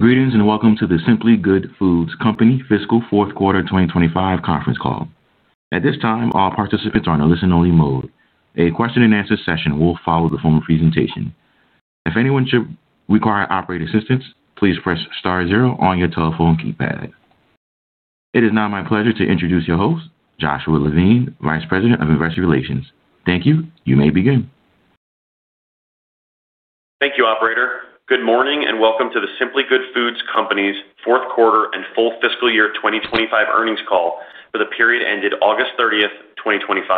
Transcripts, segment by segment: Greetings and welcome to The Simply Good Foods Company fiscal fourth quarter 2025 conference call. At this time, all participants are in a listen-only mode. A question-and-answer session will follow the formal presentation. If anyone should require operator assistance, please press star zero on your telephone keypad. It is now my pleasure to introduce your host, Joshua Levine, Vice President of Investor Relations. Thank you. You may begin. Thank you, Operator. Good morning and welcome to The Simply Good Foods Company's fourth quarter and full fiscal year 2025 earnings call for the period ended August 30, 2025.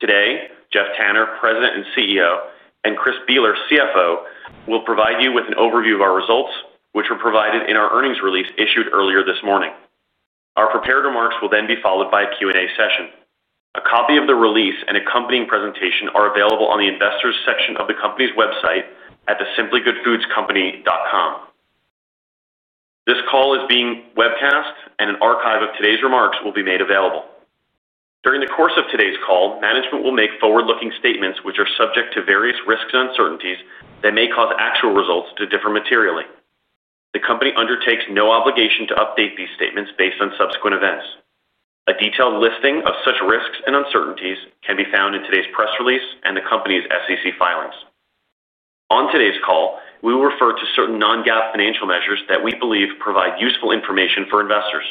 Today, Geoff Tanner, President and CEO, and Chris Bealer, CFO, will provide you with an overview of our results, which were provided in our earnings release issued earlier this morning. Our prepared remarks will then be followed by a Q&A session. A copy of the release and accompanying presentation are available on the Investors section of the company's website at simplygoodfoodscompany.com. This call is being webcast, and an archive of today's remarks will be made available. During the course of today's call, management will make forward-looking statements, which are subject to various risks and uncertainties that may cause actual results to differ materially. The company undertakes no obligation to update these statements based on subsequent events. A detailed listing of such risks and uncertainties can be found in today's press release and the company's SEC filings. On today's call, we will refer to certain non-GAAP financial measures that we believe provide useful information for investors.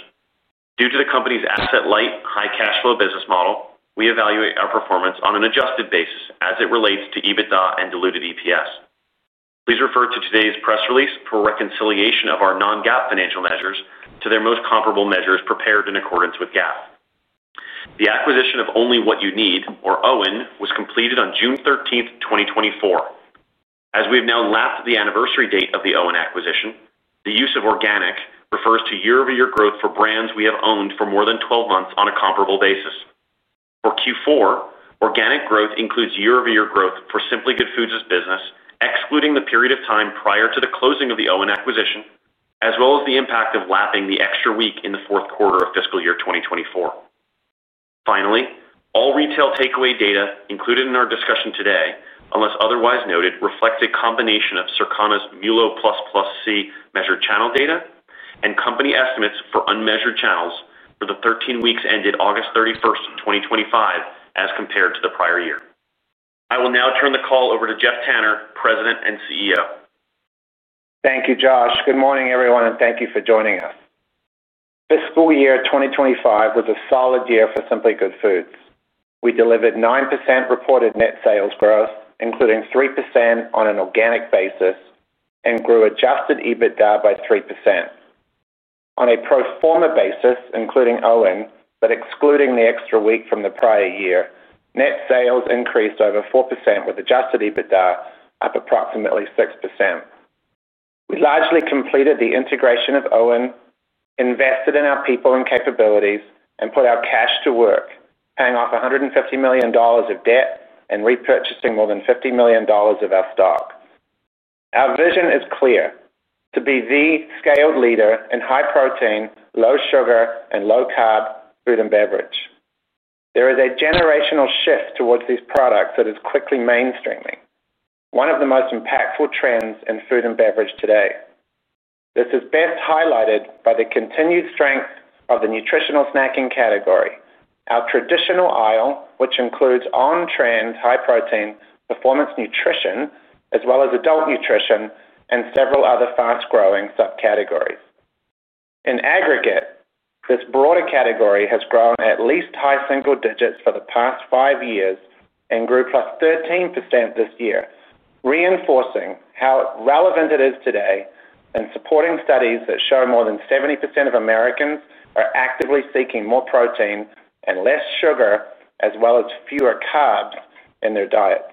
Due to the company's asset-light, high cash flow business model, we evaluate our performance on an adjusted basis as it relates to EBITDA and diluted EPS. Please refer to today's press release for reconciliation of our non-GAAP financial measures to their most comparable measures prepared in accordance with GAAP. The acquisition of Only What You Need, or OWYN, was completed on June 13, 2024. As we have now lapped the anniversary date of the OWYN acquisition, the use of organic refers to year-over-year growth for brands we have owned for more than 12 months on a comparable basis. For Q4, organic growth includes year-over-year growth for Simply Good Foods' business, excluding the period of time prior to the closing of the OWYN acquisition, as well as the impact of lapping the extra week in the fourth quarter of fiscal year 2024. Finally, all retail takeaway data included in our discussion today, unless otherwise noted, reflects a combination of Circana's MULO++C measured channel data and company estimates for unmeasured channels for the 13 weeks ended August 31, 2025, as compared to the prior year. I will now turn the call over to Geoff Tanner, President and CEO. Thank you, Josh. Good morning, everyone, and thank you for joining us. Fiscal year 2025 was a solid year for Simply Good Foods. We delivered 9% reported net sales growth, including 3% on an organic basis, and grew adjusted EBITDA by 3%. On a pro forma basis, including OWYN, but excluding the extra week from the prior year, net sales increased over 4% with adjusted EBITDA up approximately 6%. We largely completed the integration of OWYN, invested in our people and capabilities, and put our cash to work, paying off $150 million of debt and repurchasing more than $50 million of our stock. Our vision is clear: to be the scaled leader in high protein, low sugar, and low carb food and beverage. There is a generational shift towards these products that is quickly mainstreaming, one of the most impactful trends in food and beverage today. This is best highlighted by the continued strength of the nutritional snacking category, our traditional aisle, which includes on-trend high protein performance nutrition, as well as adult nutrition and several other fast-growing subcategories. In aggregate, this broader category has grown at least high single digits for the past five years and grew plus 13% this year, reinforcing how relevant it is today and supporting studies that show more than 70% of Americans are actively seeking more protein and less sugar, as well as fewer carbs in their diets.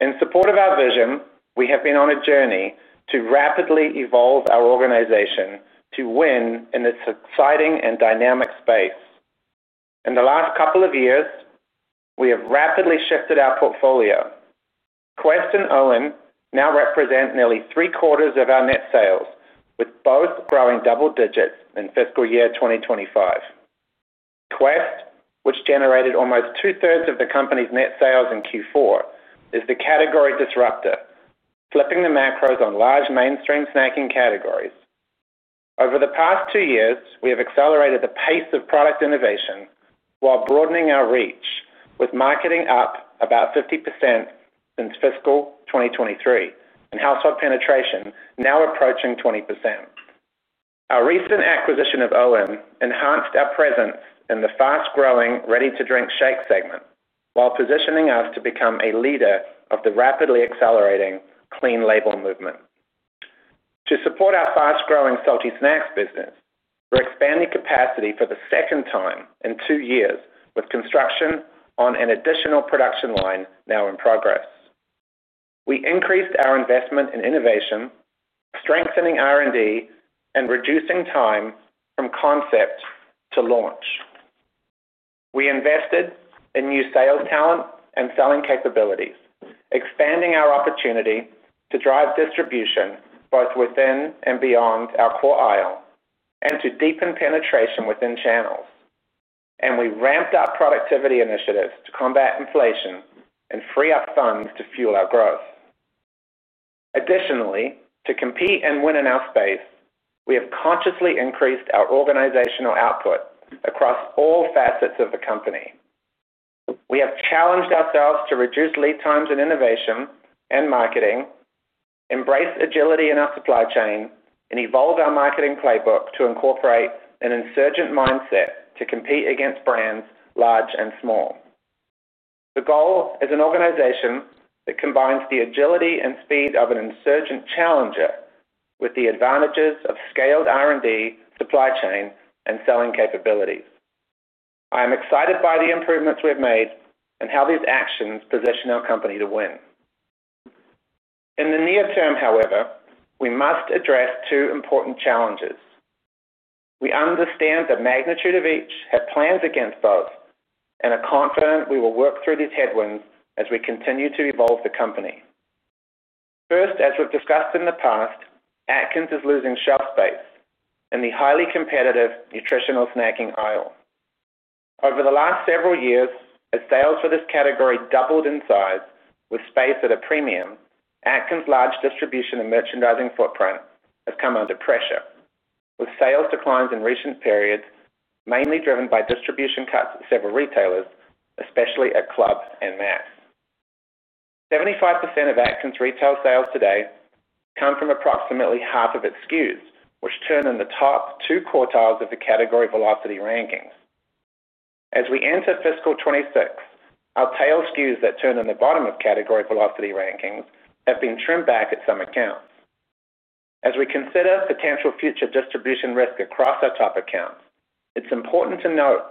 In support of our vision, we have been on a journey to rapidly evolve our organization to win in this exciting and dynamic space. In the last couple of years, we have rapidly shifted our portfolio. Quest and OWYN now represent nearly three quarters of our net sales, with both growing double digits in fiscal year 2025. Quest, which generated almost two thirds of the company's net sales in Q4, is the category disruptor, flipping the macros on large mainstream snacking categories. Over the past two years, we have accelerated the pace of product innovation while broadening our reach, with marketing up about 50% since fiscal 2023 and household penetration now approaching 20%. Our recent acquisition of OWYN enhanced our presence in the fast-growing ready-to-drink shake segment, while positioning us to become a leader of the rapidly accelerating clean label movement. To support our fast-growing salty snacks business, we're expanding capacity for the second time in two years, with construction on an additional production line now in progress. We increased our investment in innovation, strengthening R&D, and reducing time from concept to launch. We invested in new sales talent and selling capabilities, expanding our opportunity to drive distribution both within and beyond our core aisle and to deepen penetration within channels. We ramped up productivity initiatives to combat inflation and free up funds to fuel our growth. Additionally, to compete and win in our space, we have consciously increased our organizational output across all facets of the company. We have challenged ourselves to reduce lead times in innovation and marketing, embrace agility in our supply chain, and evolve our marketing playbook to incorporate an insurgent mindset to compete against brands, large and small. The goal is an organization that combines the agility and speed of an insurgent challenger with the advantages of scaled R&D, supply chain, and selling capabilities. I am excited by the improvements we have made and how these actions position our company to win. In the near term, however, we must address two important challenges. We understand the magnitude of each, have plans against both, and are confident we will work through these headwinds as we continue to evolve the company. First, as we've discussed in the past, Atkins is losing shelf space in the highly competitive nutritional snacking aisle. Over the last several years, as sales for this category doubled in size, with space at a premium, Atkins' large distribution and merchandising footprint has come under pressure, with sales declines in recent periods, mainly driven by distribution cuts at several retailers, especially at Club and Mass. 75% of Atkins' retail sales today come from approximately half of its SKUs, which turn in the top two quartiles of the category velocity rankings. As we enter fiscal 2026, our tail SKUs that turn in the bottom of category velocity rankings have been trimmed back at some accounts. As we consider potential future distribution risk across our top accounts, it's important to note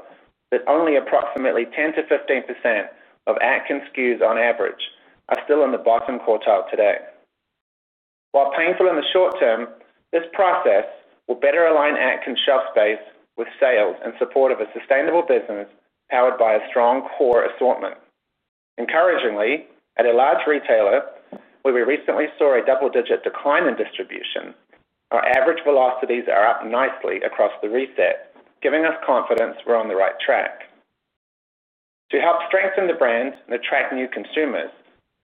that only approximately 10%-15% of Atkins' SKUs on average are still in the bottom quartile today. While painful in the short term, this process will better align Atkins' shelf space with sales and support of a sustainable business powered by a strong core assortment. Encouragingly, at a large retailer, where we recently saw a double-digit decline in distribution, our average velocities are up nicely across the reset, giving us confidence we're on the right track. To help strengthen the brand and attract new consumers,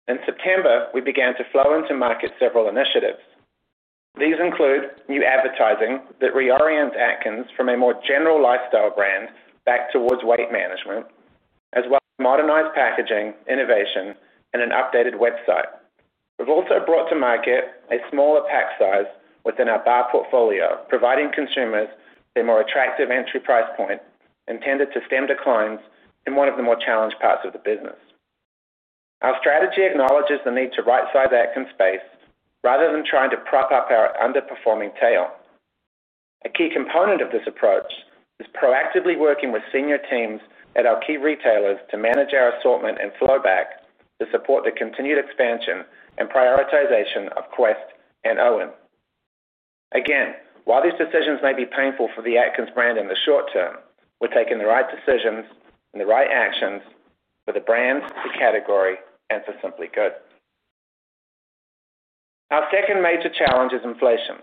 in September, we began to flow into market several initiatives. These include new advertising that reorients Atkins from a more general lifestyle brand back towards weight management, as well as modernized packaging, innovation, and an updated website. We've also brought to market a smaller pack size within our bar portfolio, providing consumers a more attractive entry price point intended to stem declines in one of the more challenged parts of the business. Our strategy acknowledges the need to right-size Atkins' space rather than trying to prop up our underperforming tail. A key component of this approach is proactively working with senior teams at our key retailers to manage our assortment and flow back to support the continued expansion and prioritization of Quest and OWYN. Again, while these decisions may be painful for the Atkins brand in the short term, we're taking the right decisions and the right actions for the brand, the category, and for Simply Good Foods Company. Our second major challenge is inflation.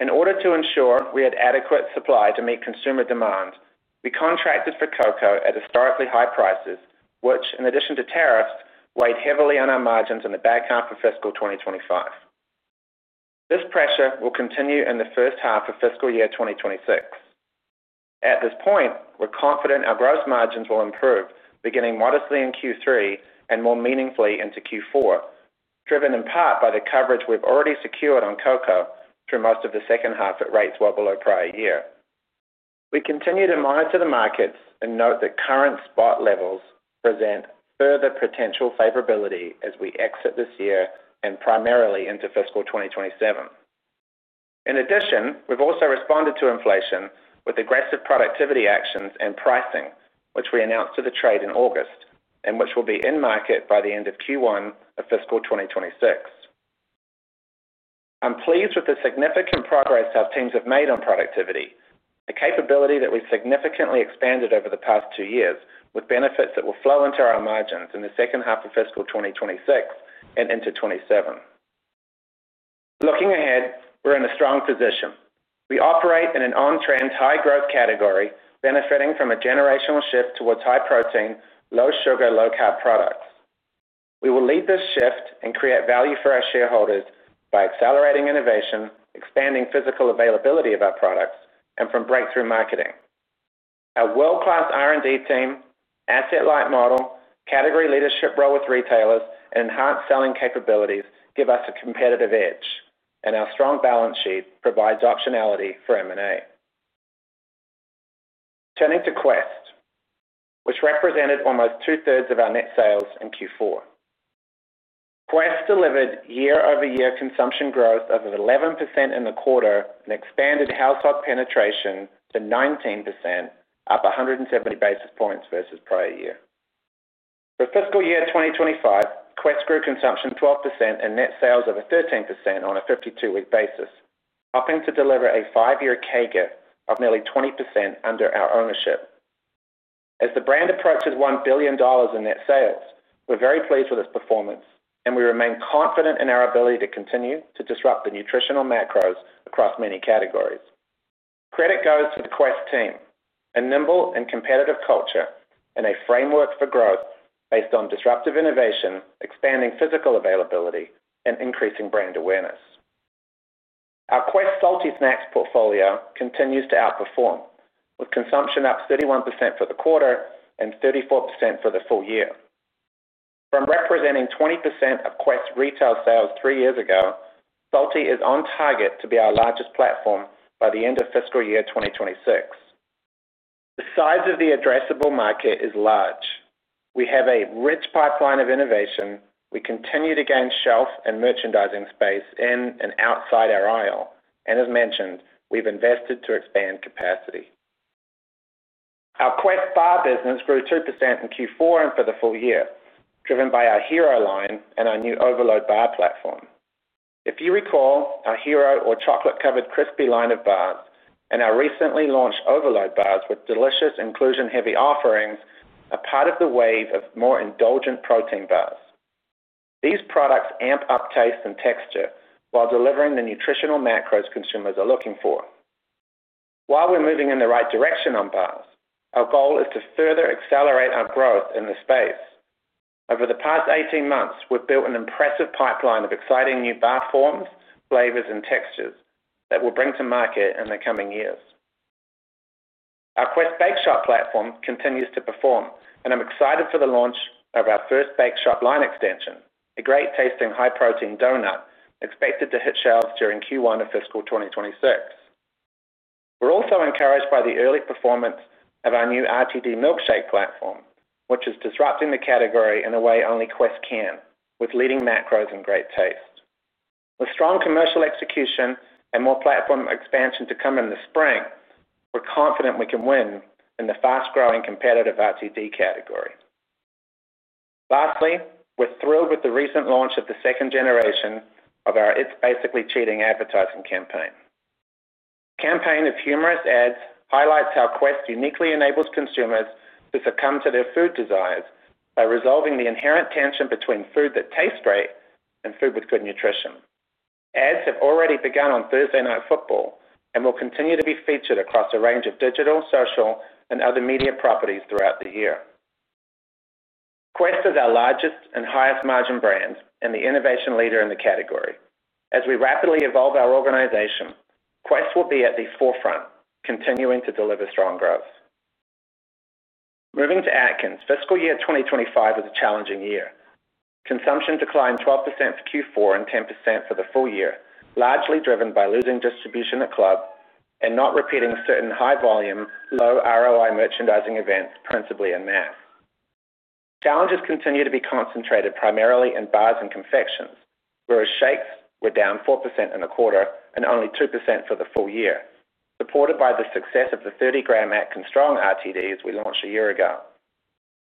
In order to ensure we had adequate supply to meet consumer demand, we contracted for cocoa at historically high prices, which, in addition to tariffs, weighed heavily on our margins in the back half of fiscal 2025. This pressure will continue in the first half of fiscal year 2026. At this point, we're confident our gross margins will improve, beginning modestly in Q3 and more meaningfully into Q4, driven in part by the coverage we've already secured on cocoa through most of the second half at rates well below prior year. We continue to monitor the markets and note that current spot levels present further potential favorability as we exit this year and primarily into fiscal 2027. In addition, we've also responded to inflation with aggressive productivity actions and pricing, which we announced to the trade in August and which will be in market by the end of Q1 of fiscal 2026. I'm pleased with the significant progress our teams have made on productivity, a capability that we've significantly expanded over the past two years, with benefits that will flow into our margins in the second half of fiscal 2026 and into 2027. Looking ahead, we're in a strong position. We operate in an on-trend, high-growth category, benefiting from a generational shift towards high-protein, low-sugar, low-carb products. We will lead this shift and create value for our shareholders by accelerating innovation, expanding physical availability of our products, and breakthrough marketing. Our world-class R&D team, asset-light model, category leadership role with retailers, and enhanced selling capabilities give us a competitive edge, and our strong balance sheet provides optionality for M&A. Turning to Quest, which represented almost two-thirds of our net sales in Q4, Quest delivered year-over-year consumption growth of 11% in the quarter and expanded household penetration to 19%, up 170 basis points versus prior year. For fiscal year 2025, Quest grew consumption 12% and net sales over 13% on a 52-week basis, helping to deliver a five-year CAGR of nearly 20% under our ownership. As the brand approaches $1 billion in net sales, we're very pleased with its performance, and we remain confident in our ability to continue to disrupt the nutritional macros across many categories. Credit goes to the Quest team, a nimble and competitive culture, and a framework for growth based on disruptive innovation, expanding physical availability, and increasing brand awareness. Our Quest salty snacks portfolio continues to outperform, with consumption up 31% for the quarter and 34% for the full year. From representing 20% of Quest retail sales three years ago, Salty is on target to be our largest platform by the end of fiscal year 2026. The size of the addressable market is large. We have a rich pipeline of innovation. We continue to gain shelf and merchandising space in and outside our aisle. As mentioned, we've invested to expand capacity. Our Quest bar business grew 2% in Q4 and for the full year, driven by our Hero line and our new Overload Bar platform. If you recall, our Hero, or chocolate-covered crispy line of bars, and our recently launched Overload Bars with delicious inclusion-heavy offerings are part of the wave of more indulgent protein bars. These products amp up taste and texture while delivering the nutritional macros consumers are looking for. While we're moving in the right direction on bars, our goal is to further accelerate our growth in the space. Over the past 18 months, we've built an impressive pipeline of exciting new bar forms, flavors, and textures that we'll bring to market in the coming years. Our Quest Bake Shop platform continues to perform, and I'm excited for the launch of our first Bake Shop line extension, a great tasting high protein donut expected to hit shelves during Q1 of fiscal 2026. We're also encouraged by the early performance of our new ready-to-drink milkshake platform, which is disrupting the category in a way only Quest can, with leading macros and great taste. With strong commercial execution and more platform expansion to come in the spring, we're confident we can win in the fast-growing competitive ready-to-drink category. Lastly, we're thrilled with the recent launch of the second generation of our It's Basically Cheating advertising campaign. The campaign of humorous ads highlights how Quest uniquely enables consumers to succumb to their food desires by resolving the inherent tension between food that tastes great and food with good nutrition. Ads have already begun on Thursday Night Football and will continue to be featured across a range of digital, social, and other media properties throughout the year. Quest is our largest and highest margin brand and the innovation leader in the category. As we rapidly evolve our organization, Quest will be at the forefront, continuing to deliver strong growth. Moving to Atkins, fiscal year 2025 was a challenging year. Consumption declined 12% for Q4 and 10% for the full year, largely driven by losing distribution at Club and not repeating certain high volume, low ROI merchandising events, principally in Mass. Challenges continue to be concentrated primarily in bars and confections, whereas shakes were down 4% in the quarter and only 2% for the full year, supported by the success of the 30 g Atkins Strong ready-to-drink shakes we launched a year ago.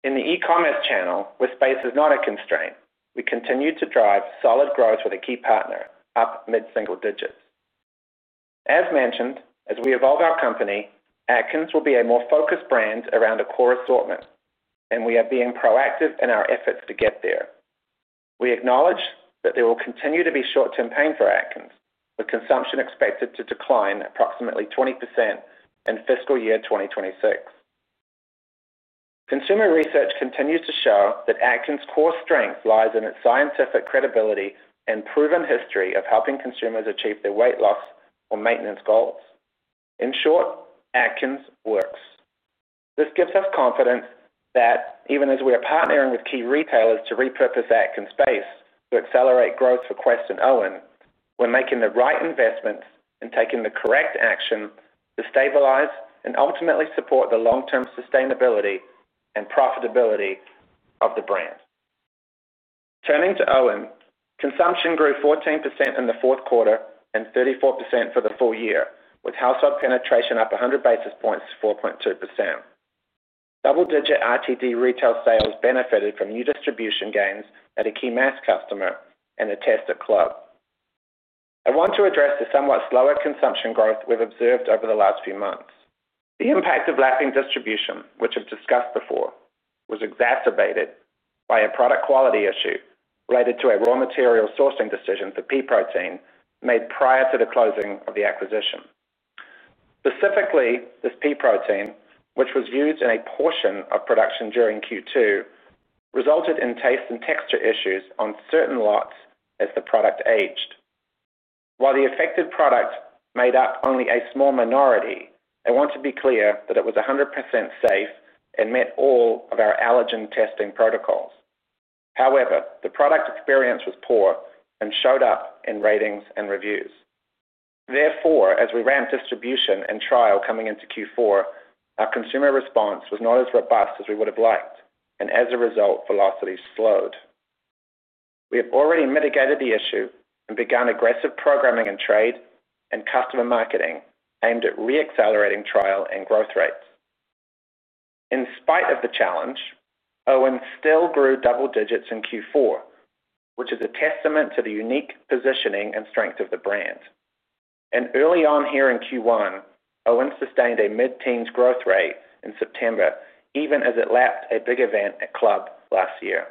In the e-commerce channel, where space is not a constraint, we continue to drive solid growth with a key partner up mid-single digits. As mentioned, as we evolve our company, Atkins will be a more focused brand around a core assortment, and we are being proactive in our efforts to get there. We acknowledge that there will continue to be short-term pain for Atkins, with consumption expected to decline approximately 20% in fiscal year 2026. Consumer research continues to show that Atkins' core strength lies in its scientific credibility and proven history of helping consumers achieve their weight loss or maintenance goals. In short, Atkins works. This gives us confidence that even as we are partnering with key retailers to repurpose Atkins' space to accelerate growth for Quest and OWYN, we're making the right investments and taking the correct action to stabilize and ultimately support the long-term sustainability and profitability of the brand. Turning to OWYN, consumption grew 14% in the fourth quarter and 34% for the full year, with household penetration up 100 basis points to 4.2%. Double-digit RTD retail sales benefited from new distribution gains at a key Mass customer and a test at Club. I want to address the somewhat slower consumption growth we've observed over the last few months. The impact of lapping distribution, which I've discussed before, was exacerbated by a product quality issue related to a raw material sourcing decision for pea protein made prior to the closing of the acquisition. Specifically, this pea protein, which was used in a portion of production during Q2, resulted in taste and texture issues on certain lots as the product aged. While the affected product made up only a small minority, I want to be clear that it was 100% safe and met all of our allergen testing protocols. However, the product experience was poor and showed up in ratings and reviews. Therefore, as we ramped distribution and trial coming into Q4, our consumer response was not as robust as we would have liked, and as a result, velocity slowed. We have already mitigated the issue and begun aggressive programming in trade and customer marketing aimed at re-accelerating trial and growth rates. In spite of the challenge, OWYN still grew double digits in Q4, which is a testament to the unique positioning and strength of the brand. Early on here in Q1, OWYN sustained a mid-teens growth rate in September, even as it lapped a big event at Club last year.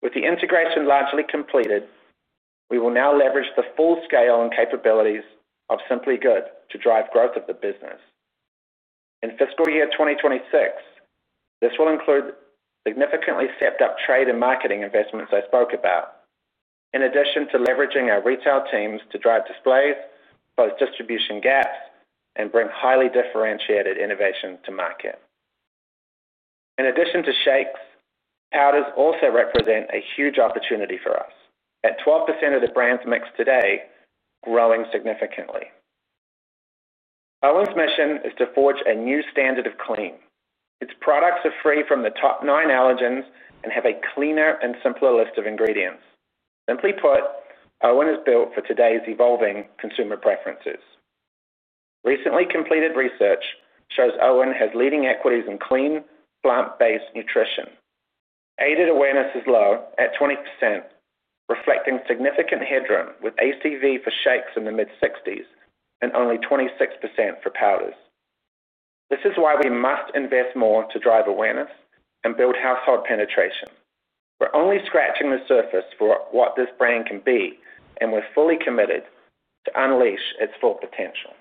With the integration largely completed, we will now leverage the full scale and capabilities of Simply Good Foods Company to drive growth of the business. In fiscal year 2026, this will include significantly stepped up trade and marketing investments I spoke about, in addition to leveraging our retail teams to drive displays, close distribution gaps, and bring highly differentiated innovation to market. In addition to shakes, powders also represent a huge opportunity for us, at 12% of the brand's mix today, growing significantly. OWYN's mission is to forge a new standard of clean. Its products are free from the top nine allergens and have a cleaner and simpler list of ingredients. Simply put, OWYN is built for today's evolving consumer preferences. Recently completed research shows OWYN has leading equities in clean, plant-based nutrition. Aided awareness is low at 20%, reflecting significant headroom with ACV for shakes in the mid-60% and only 26% for powders. This is why we must invest more to drive awareness and build household penetration. We're only scratching the surface for what this brand can be, and we're fully committed to unleash its full potential.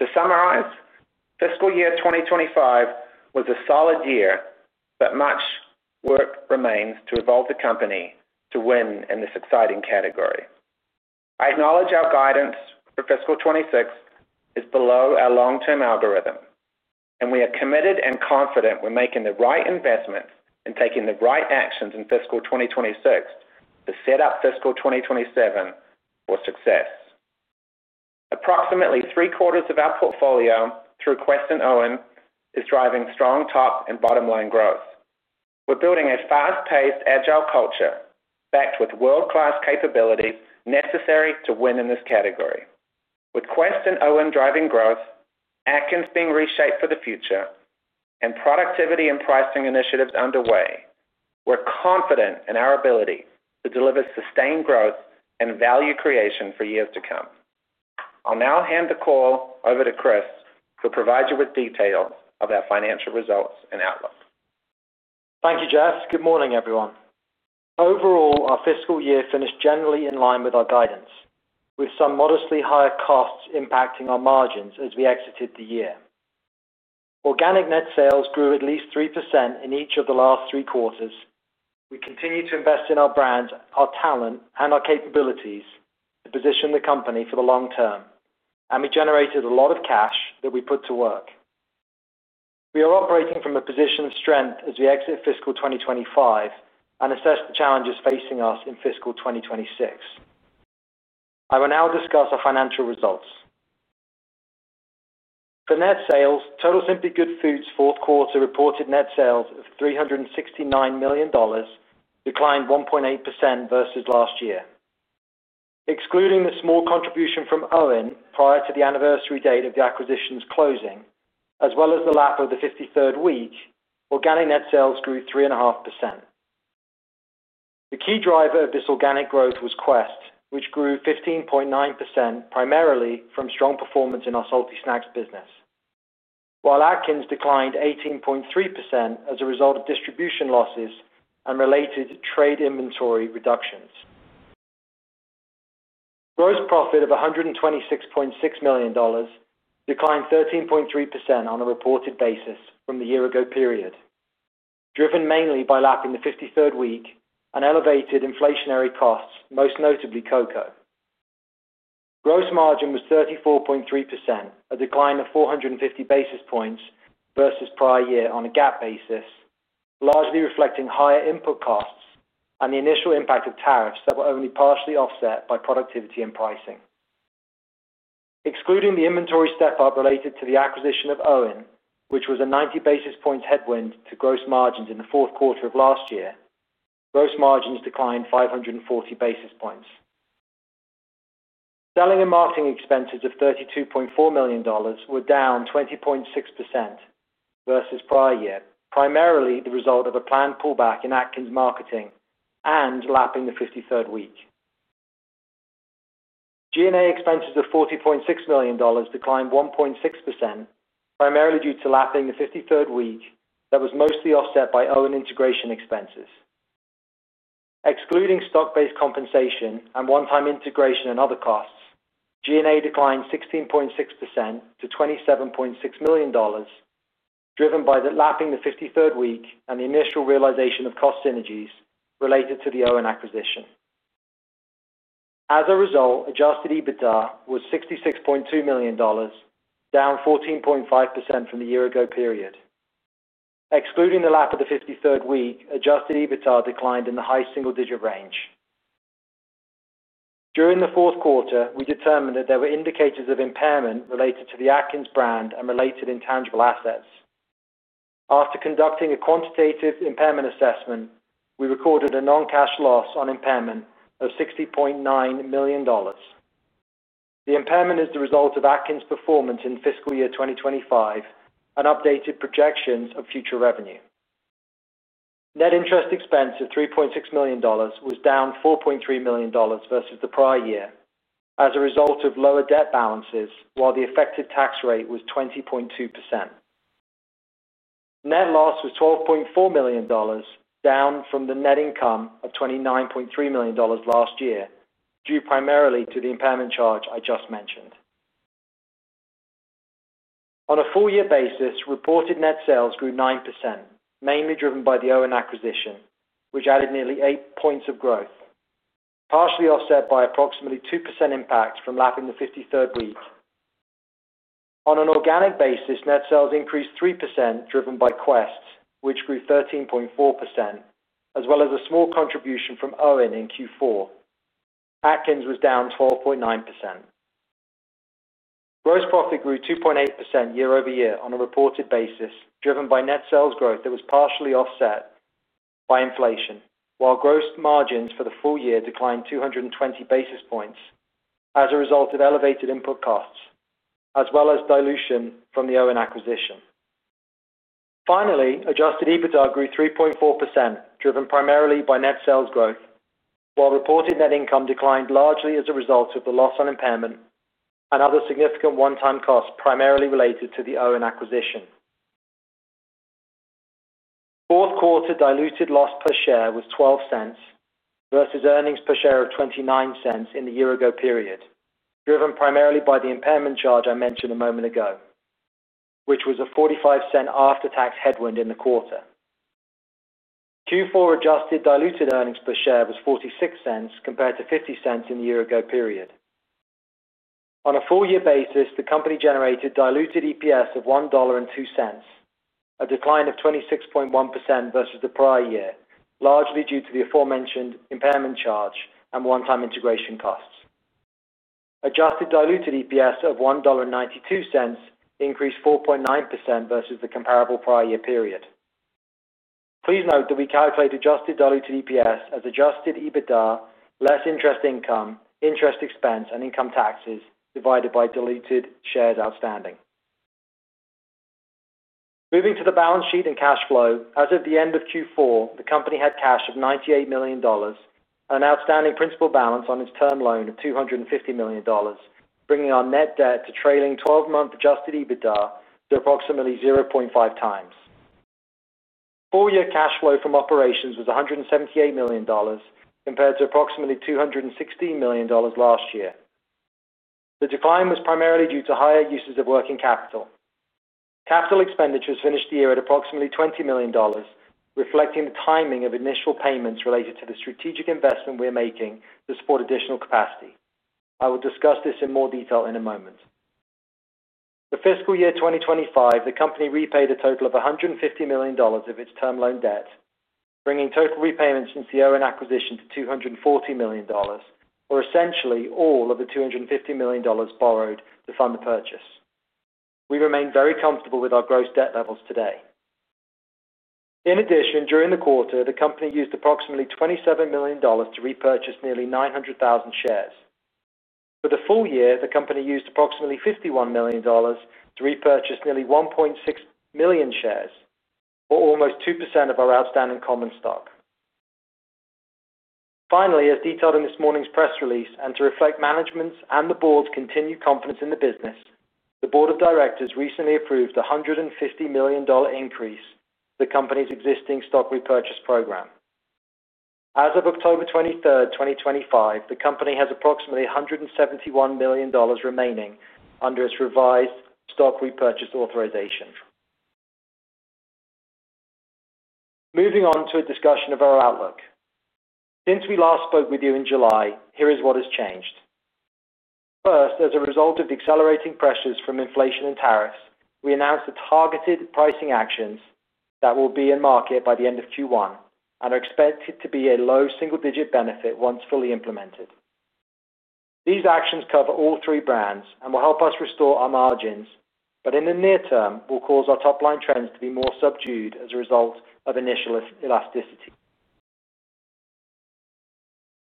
To summarize, fiscal year 2025 was a solid year, but much work remains to evolve the company to win in this exciting category. I acknowledge our guidance for fiscal 2026 is below our long-term algorithm, and we are committed and confident we're making the right investments and taking the right actions in fiscal 2026 to set up fiscal 2027 for success. Approximately three quarters of our portfolio through Quest and OWYN is driving strong top and bottom line growth. We're building a fast-paced, agile culture backed with world-class capabilities necessary to win in this category. With Quest and OWYN driving growth, Atkins being reshaped for the future, and productivity and pricing initiatives underway, we're confident in our ability to deliver sustained growth and value creation for years to come. I'll now hand the call over to Chris, who will provide you with details of our financial results and outlook. Thank you, Geoff. Good morning, everyone. Overall, our fiscal year finished generally in line with our guidance, with some modestly higher costs impacting our margins as we exited the year. Organic net sales grew at least 3% in each of the last three quarters. We continue to invest in our brand, our talent, and our capabilities to position the company for the long term, and we generated a lot of cash that we put to work. We are operating from a position of strength as we exit fiscal 2025 and assess the challenges facing us in fiscal 2026. I will now discuss our financial results. For net sales, total Simply Good Foods' fourth quarter reported net sales of $369 million, declined 1.8% versus last year. Excluding the small contribution from OWYN prior to the anniversary date of the acquisition's closing, as well as the lap of the 53rd week, organic net sales grew 3.5%. The key driver of this organic growth was Quest, which grew 15.9% primarily from strong performance in our salty snacks business, while Atkins declined 18.3% as a result of distribution losses and related trade inventory reductions. Gross profit of $126.6 million declined 13.3% on a reported basis from the year-ago period, driven mainly by lapping the 53rd week and elevated inflationary costs, most notably cocoa. Gross margin was 34.3%, a decline of 450 basis points versus prior year on a GAAP basis, largely reflecting higher input costs and the initial impact of tariffs that were only partially offset by productivity and pricing. Excluding the inventory step-up related to the acquisition of OWYN, which was a 90 basis points headwind to gross margins in the fourth quarter of last year, gross margins declined 540 basis points. Selling and marketing expenses of $32.4 million were down 20.6% versus prior year, primarily the result of a planned pullback in Atkins marketing and lapping the 53rd week. G&A expenses of $40.6 million declined 1.6%, primarily due to lapping the 53rd week that was mostly offset by OWYN integration expenses. Excluding stock-based compensation and one-time integration and other costs, G&A declined 16.6% to $27.6 million, driven by lapping the 53rd week and the initial realization of cost synergies related to the OWYN acquisition. As a result, adjusted EBITDA was $66.2 million, down 14.5% from the year-ago period. Excluding the lap of the 53rd week, adjusted EBITDA declined in the high single-digit range. During the fourth quarter, we determined that there were indicators of impairment related to the Atkins brand and related intangible assets. After conducting a quantitative impairment assessment, we recorded a non-cash loss on impairment of $60.9 million. The impairment is the result of Atkins' performance in fiscal year 2025 and updated projections of future revenue. Net interest expense of $3.6 million was down $4.3 million versus the prior year as a result of lower debt balances, while the effective tax rate was 20.2%. Net loss was $12.4 million, down from the net income of $29.3 million last year, due primarily to the impairment charge I just mentioned. On a full-year basis, reported net sales grew 9%, mainly driven by the OWYN acquisition, which added nearly eight points of growth, partially offset by approximately 2% impact from lapping the 53rd week. On an organic basis, net sales increased 3%, driven by Quest, which grew 13.4%, as well as a small contribution from OWYN in Q4. Atkins was down 12.9%. Gross profit grew 2.8% year-over-year on a reported basis, driven by net sales growth that was partially offset by inflation, while gross margins for the full year declined 220 basis points as a result of elevated input costs, as well as dilution from the OWYN acquisition. Finally, adjusted EBITDA grew 3.4%, driven primarily by net sales growth, while reported net income declined largely as a result of the loss on impairment and other significant one-time costs, primarily related to the OWYN acquisition. Fourth quarter diluted loss per share was $0.12 versus earnings per share of $0.29 in the year-ago period, driven primarily by the impairment charge I mentioned a moment ago, which was a $0.45 after-tax headwind in the quarter. Q4 adjusted diluted earnings per share was $0.46 compared to $0.50 in the year-ago period. On a full-year basis, the company generated diluted EPS of $1.02, a decline of 26.1% versus the prior year, largely due to the aforementioned impairment charge and one-time integration costs. Adjusted diluted EPS of $1.92 increased 4.9% versus the comparable prior year period. Please note that we calculate adjusted diluted EPS as adjusted EBITDA, less interest income, interest expense, and income taxes divided by diluted shares outstanding. Moving to the balance sheet and cash flow, as of the end of Q4, the company had cash of $98 million and an outstanding principal balance on its term loan of $250 million, bringing our net debt to trailing 12-month adjusted EBITDA to approximately 0.5 times. Full-year cash flow from operations was $178 million compared to approximately $216 million last year. The decline was primarily due to higher uses of working capital. Capital expenditures finished the year at approximately $20 million, reflecting the timing of initial payments related to the strategic investment we're making to support additional capacity. I will discuss this in more detail in a moment. For fiscal year 2025, the company repaid a total of $150 million of its term loan debt, bringing total repayments since the OWYN acquisition to $240 million, or essentially all of the $250 million borrowed to fund the purchase. We remain very comfortable with our gross debt levels today. In addition, during the quarter, the company used approximately $27 million to repurchase nearly 900,000 shares. For the full year, the company used approximately $51 million to repurchase nearly 1.6 million shares, or almost 2% of our outstanding common stock. Finally, as detailed in this morning's press release and to reflect management's and the board's continued confidence in the business, the board of directors recently approved a $150 million increase to the company's existing stock repurchase program. As of October 23, 2025, the company has approximately $171 million remaining under its revised stock repurchase authorization. Moving on to a discussion of our outlook. Since we last spoke with you in July, here is what has changed. First, as a result of the accelerating pressures from inflation and tariffs, we announced the targeted pricing actions that will be in market by the end of Q1 and are expected to be a low single-digit benefit once fully implemented. These actions cover all three brands and will help us restore our margins, but in the near term, will cause our top-line trends to be more subdued as a result of initial elasticity.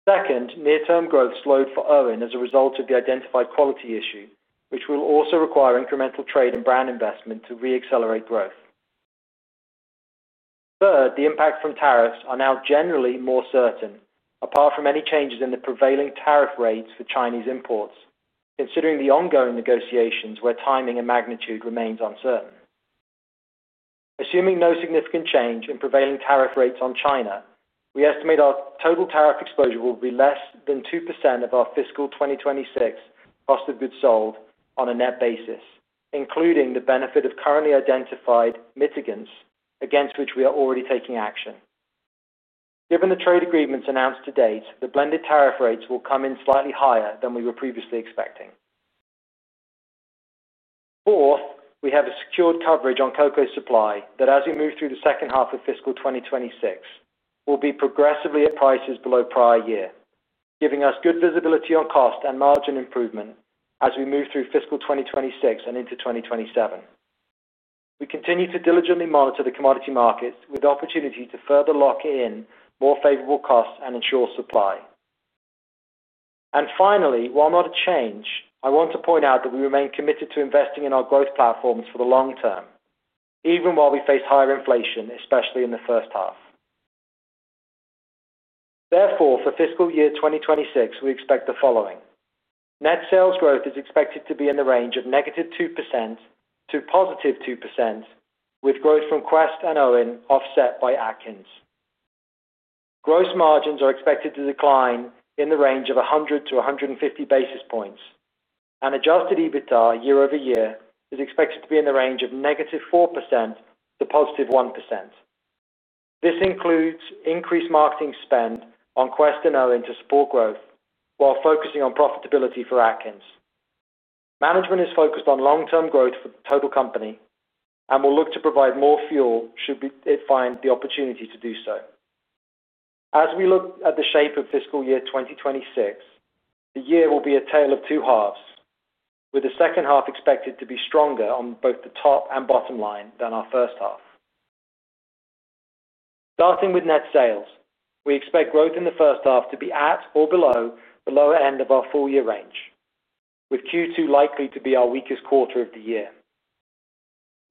Second, near-term growth slowed for OWYN as a result of the identified quality issue, which will also require incremental trade and brand investment to re-accelerate growth. Third, the impacts from tariffs are now generally more certain, apart from any changes in the prevailing tariff rates for Chinese imports, considering the ongoing negotiations where timing and magnitude remains uncertain. Assuming no significant change in prevailing tariff rates on China, we estimate our total tariff exposure will be less than 2% of our fiscal 2026 cost of goods sold on a net basis, including the benefit of currently identified mitigants against which we are already taking action. Given the trade agreements announced to date, the blended tariff rates will come in slightly higher than we were previously expecting. Fourth, we have a secured coverage on cocoa supply that, as we move through the second half of fiscal 2026, will be progressively at prices below prior year, giving us good visibility on cost and margin improvement as we move through fiscal 2026 and into 2027. We continue to diligently monitor the commodity markets with the opportunity to further lock in more favorable costs and ensure supply. Finally, while not a change, I want to point out that we remain committed to investing in our growth platforms for the long term, even while we face higher inflation, especially in the first half. Therefore, for fiscal year 2026, we expect the following. Net sales growth is expected to be in the range of -2% to +2%, with growth from Quest and OWYN offset by Atkins. Gross margins are expected to decline in the range of 100-150 basis points, and adjusted EBITDA year-over-year is expected to be in the range of -4% to +1%. This includes increased marketing spend on Quest and OWYN to support growth, while focusing on profitability for Atkins. Management is focused on long-term growth for the total company and will look to provide more fuel should it find the opportunity to do so. As we look at the shape of fiscal year 2026, the year will be a tale of two halves, with the second half expected to be stronger on both the top and bottom line than our first half. Starting with net sales, we expect growth in the first half to be at or below the lower end of our full-year range, with Q2 likely to be our weakest quarter of the year.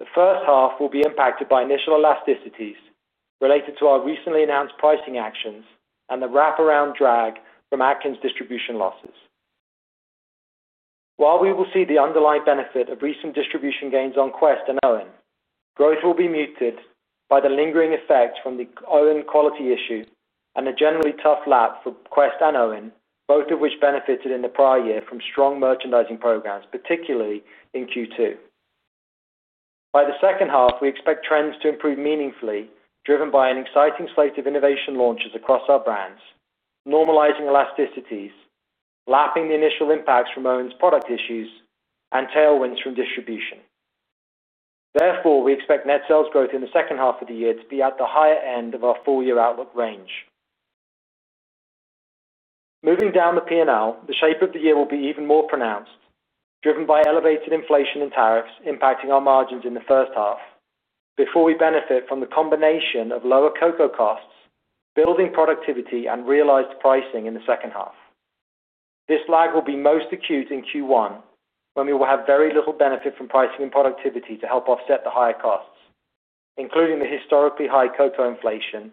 The first half will be impacted by initial elasticities related to our recently announced pricing actions and the wrap-around drag from Atkins' distribution losses. While we will see the underlying benefit of recent distribution gains on Quest and OWYN, growth will be muted by the lingering effects from the OWYN quality issue and a generally tough lap for Quest and OWYN, both of which benefited in the prior year from strong merchandising programs, particularly in Q2. By the second half, we expect trends to improve meaningfully, driven by an exciting slate of innovation launches across our brands, normalizing elasticities, lapping the initial impacts from OWYN's product issues, and tailwinds from distribution. Therefore, we expect net sales growth in the second half of the year to be at the higher end of our full-year outlook range. Moving down the P&L, the shape of the year will be even more pronounced, driven by elevated inflation and tariffs impacting our margins in the first half before we benefit from the combination of lower cocoa costs, building productivity, and realized pricing in the second half. This lag will be most acute in Q1, when we will have very little benefit from pricing and productivity to help offset the higher costs, including the historically high cocoa inflation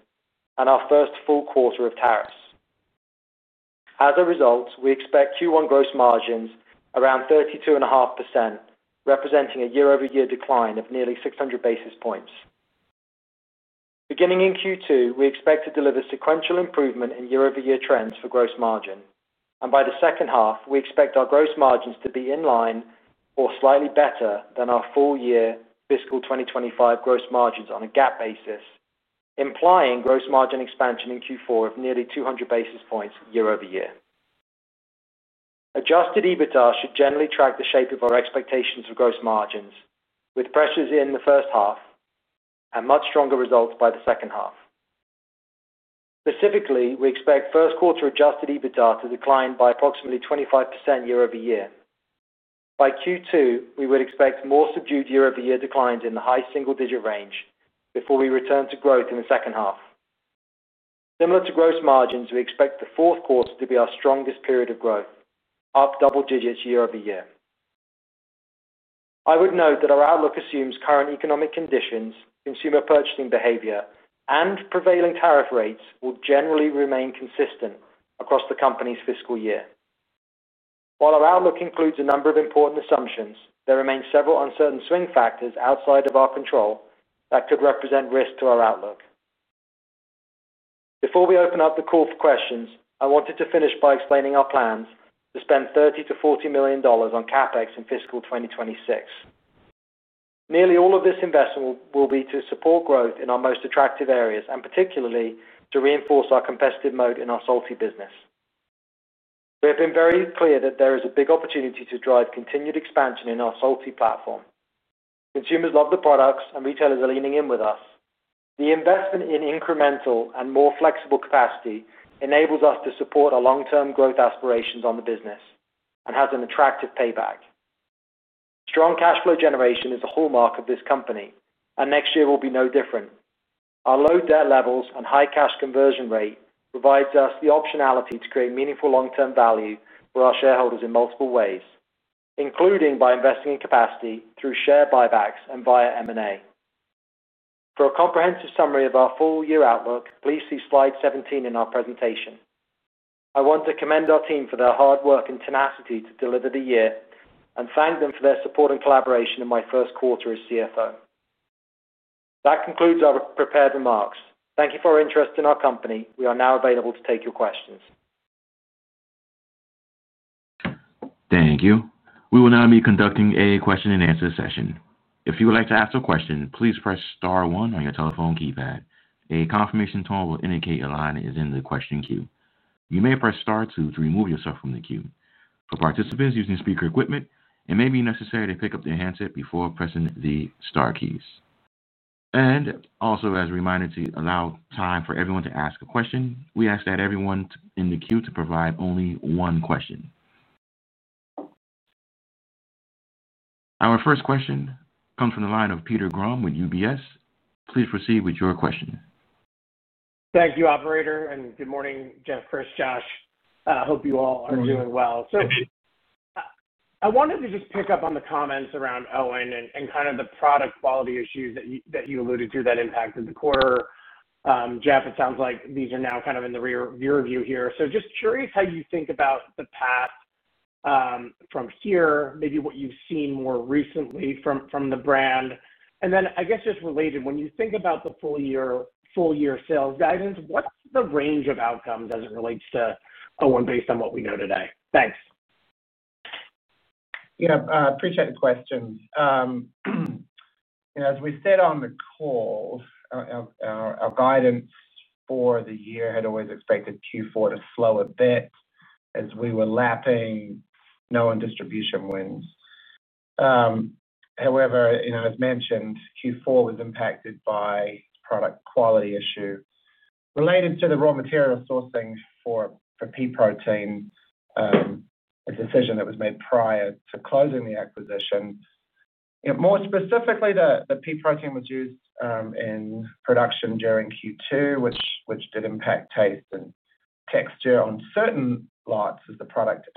and our first full quarter of tariffs. As a result, we expect Q1 gross margins around 32.5%, representing a year-over-year decline of nearly 600 basis points. Beginning in Q2, we expect to deliver sequential improvement in year-over-year trends for gross margin, and by the second half, we expect our gross margins to be in line or slightly better than our full-year fiscal 2025 gross margins on a GAAP basis, implying gross margin expansion in Q4 of nearly 200 basis points year-over-year. Adjusted EBITDA should generally track the shape of our expectations for gross margins, with pressures in the first half and much stronger results by the second half. Specifically, we expect first quarter adjusted EBITDA to decline by approximately 25% year-over-year. By Q2, we would expect more subdued year-over-year declines in the high single-digit range before we return to growth in the second half. Similar to gross margins, we expect the fourth quarter to be our strongest period of growth, up double digits year-over-year. I would note that our outlook assumes current economic conditions, consumer purchasing behavior, and prevailing tariff rates will generally remain consistent across the company's fiscal year. While our outlook includes a number of important assumptions, there remain several uncertain swing factors outside of our control that could represent risk to our outlook. Before we open up the call for questions, I wanted to finish by explaining our plans to spend $30 million-$40 million on CapEx in fiscal 2026. Nearly all of this investment will be to support growth in our most attractive areas and particularly to reinforce our competitive moat in our salty business. We have been very clear that there is a big opportunity to drive continued expansion in our salty platform. Consumers love the products, and retailers are leaning in with us. The investment in incremental and more flexible capacity enables us to support our long-term growth aspirations on the business and has an attractive payback. Strong cash flow generation is a hallmark of this company, and next year will be no different. Our low debt levels and high cash conversion rate provide us the optionality to create meaningful long-term value for our shareholders in multiple ways, including by investing in capacity, through share buybacks, and via M&A. For a comprehensive summary of our full-year outlook, please see slide 17 in our presentation. I want to commend our team for their hard work and tenacity to deliver the year and thank them for their support and collaboration in my first quarter as CFO. That concludes our prepared remarks. Thank you for your interest in our company. We are now available to take your questions. Thank you. We will now be conducting a question-and-answer session. If you would like to ask a question, please press star one on your telephone keypad. A confirmation tone will indicate your line is in the question queue. You may press star two to remove yourself from the queue. For participants using speaker equipment, it may be necessary to pick up the handset before pressing the star keys. As a reminder to allow time for everyone to ask a question, we ask that everyone in the queue provide only one question. Our first question comes from the line of Peter K. Grom with UBS Investment Bank. Please proceed with your question. Thank you, Operator, and good morning, Geoff, Chris, Josh. I hope you all are doing well. I wanted to just pick up on the comments around OWYN and kind of the product quality issues that you alluded to that impacted the quarter. Geoff, it sounds like these are now kind of in the rearview here. Just curious how you think about the path from here, maybe what you've seen more recently from the brand. I guess just related, when you think about the full-year sales guidance, what's the range of outcomes as it relates to OWYN based on what we know today? Thanks. Yeah, I appreciate the questions. As we said on the call, our guidance for the year had always expected Q4 to slow a bit as we were lapping known distribution wins. However, as mentioned, Q4 was impacted by a product quality issue related to the raw material sourcing for pea protein, a decision that was made prior to closing the acquisition. More specifically, the pea protein was used in production during Q2, which did impact taste and texture on certain lots as the product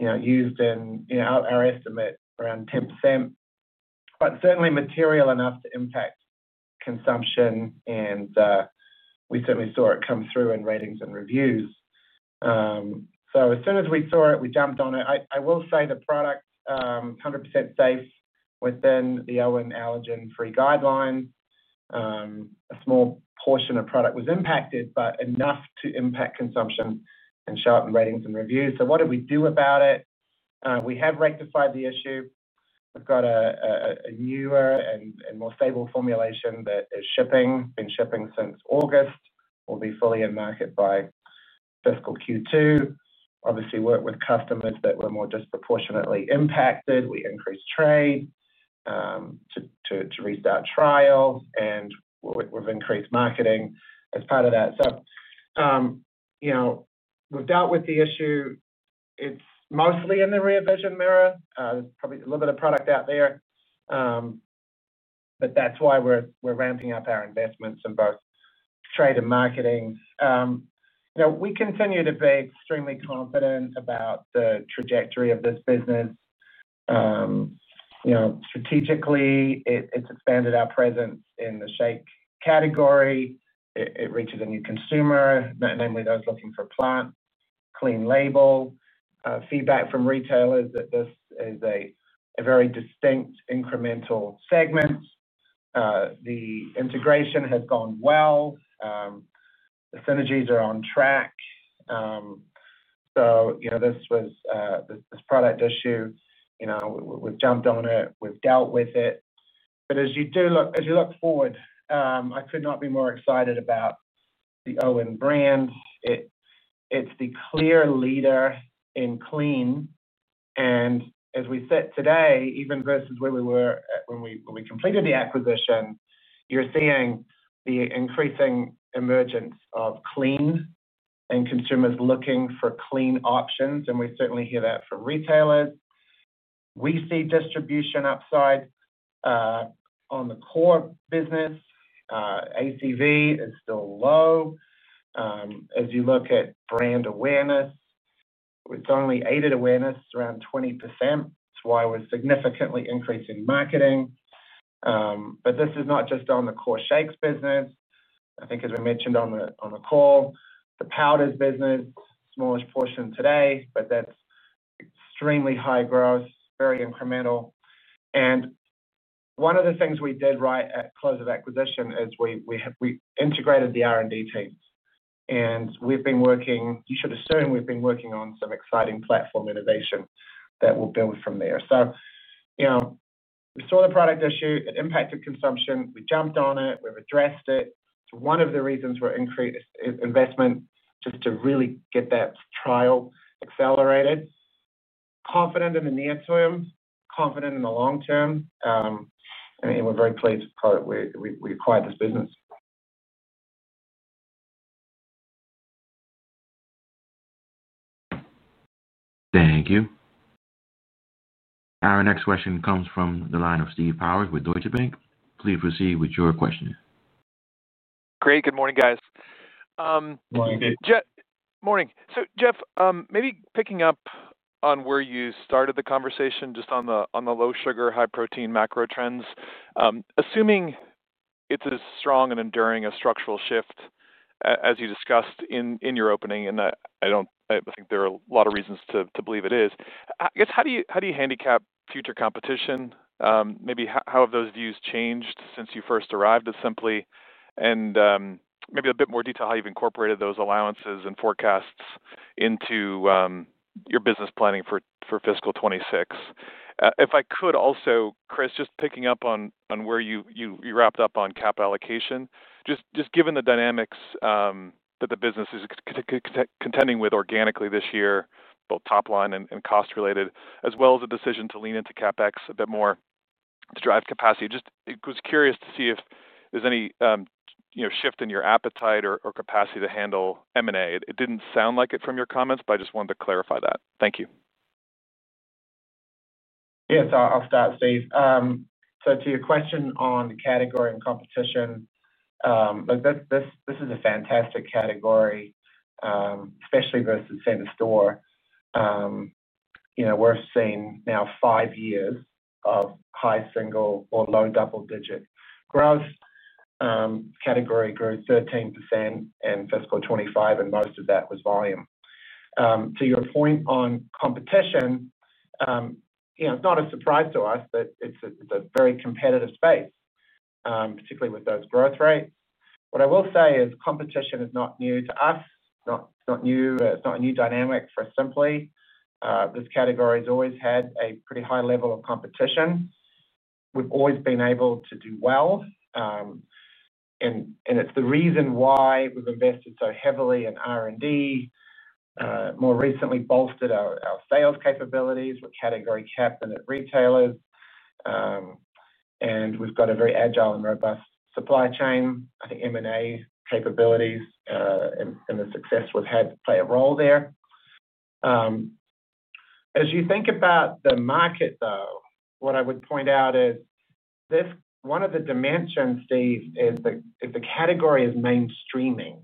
aged. Used in our estimate around 10%, but certainly material enough to impact consumption, and we certainly saw it come through in ratings and reviews. As soon as we saw it, we jumped on it. I will say the product is 100% safe within the OWYN allergen-free guidelines. A small portion of the product was impacted, but enough to impact consumption and show up in ratings and reviews. What did we do about it? We have rectified the issue. We've got a newer and more stable formulation that is shipping, been shipping since August, will be fully in market by fiscal Q2. Obviously, we work with customers that were more disproportionately impacted. We increased trade to restart trials, and we've increased marketing as part of that. We've dealt with the issue. It's mostly in the rear vision mirror. There's probably a little bit of product out there, which is why we're ramping up our investments in both trade and marketing. We continue to be extremely confident about the trajectory of this business. Strategically, it's expanded our presence in the shake category. It reaches a new consumer, namely those looking for plant, clean label. Feedback from retailers is that this is a very distinct incremental segment. The integration has gone well. The synergies are on track. This was this product issue. We've jumped on it. We've dealt with it. As you look forward, I could not be more excited about the OWYN brand. It's the clear leader in clean. As we said today, even versus where we were when we completed the acquisition, you're seeing the increasing emergence of clean and consumers looking for clean options. We certainly hear that from retailers. We see distribution upside on the core business. ACV is still low. As you look at brand awareness, it's only aided awareness around 20%. That's why we're significantly increasing marketing. This is not just on the core shakes business. I think, as we mentioned on the call, the powders business is a smallish portion today, but that's extremely high growth, very incremental. One of the things we did right at close of acquisition is we integrated the R&D teams. We've been working, you should assume we've been working on some exciting platform innovation that we'll build from there. We saw the product issue. It impacted consumption. We jumped on it. We've addressed it. One of the reasons for increased investment is just to really get that trial accelerated. Confident in the near term, confident in the long term. We're very pleased with how we acquired this business. Thank you. Our next question comes from the line of Steve Powers with Deutsche Bank. Please proceed with your question. Great. Good morning, guys. Morning. Morning. Geoff, maybe picking up on where you started the conversation, just on the low sugar, high protein macro trends, assuming it's as strong and enduring a structural shift as you discussed in your opening, and I think there are a lot of reasons to believe it is. I guess, how do you handicap future competition? Maybe how have those views changed since you first arrived at Simply Good Foods Company? Maybe a bit more detail how you've incorporated those allowances and forecasts into your business planning for fiscal 2026. If I could also, Chris, just picking up on where you wrapped up on cap allocation, just given the dynamics that the business is contending with organically this year, both top line and cost-related, as well as a decision to lean into CapEx a bit more to drive capacity. I was curious to see if there's any shift in your appetite or capacity to handle M&A. It didn't sound like it from your comments, but I just wanted to clarify that. Thank you. Yeah, I'll start, Steve. To your question on category and competition, look, this is a fantastic category, especially versus Santa's Store. We're seeing now five years of high single or low double-digit growth. Category grew 13% in fiscal 2025, and most of that was volume. To your point on competition, it's not a surprise to us that it's a very competitive space, particularly with those growth rates. What I will say is competition is not new to us. It's not a new dynamic for Simply Good Foods. This category has always had a pretty high level of competition. We've always been able to do well. It's the reason why we've invested so heavily in R&D, more recently bolstered our sales capabilities with category cap and at retailers. We've got a very agile and robust supply chain. I think M&A capabilities and the success we've had play a role there. As you think about the market, what I would point out is one of the dimensions, Steve, is that if the category is mainstreaming,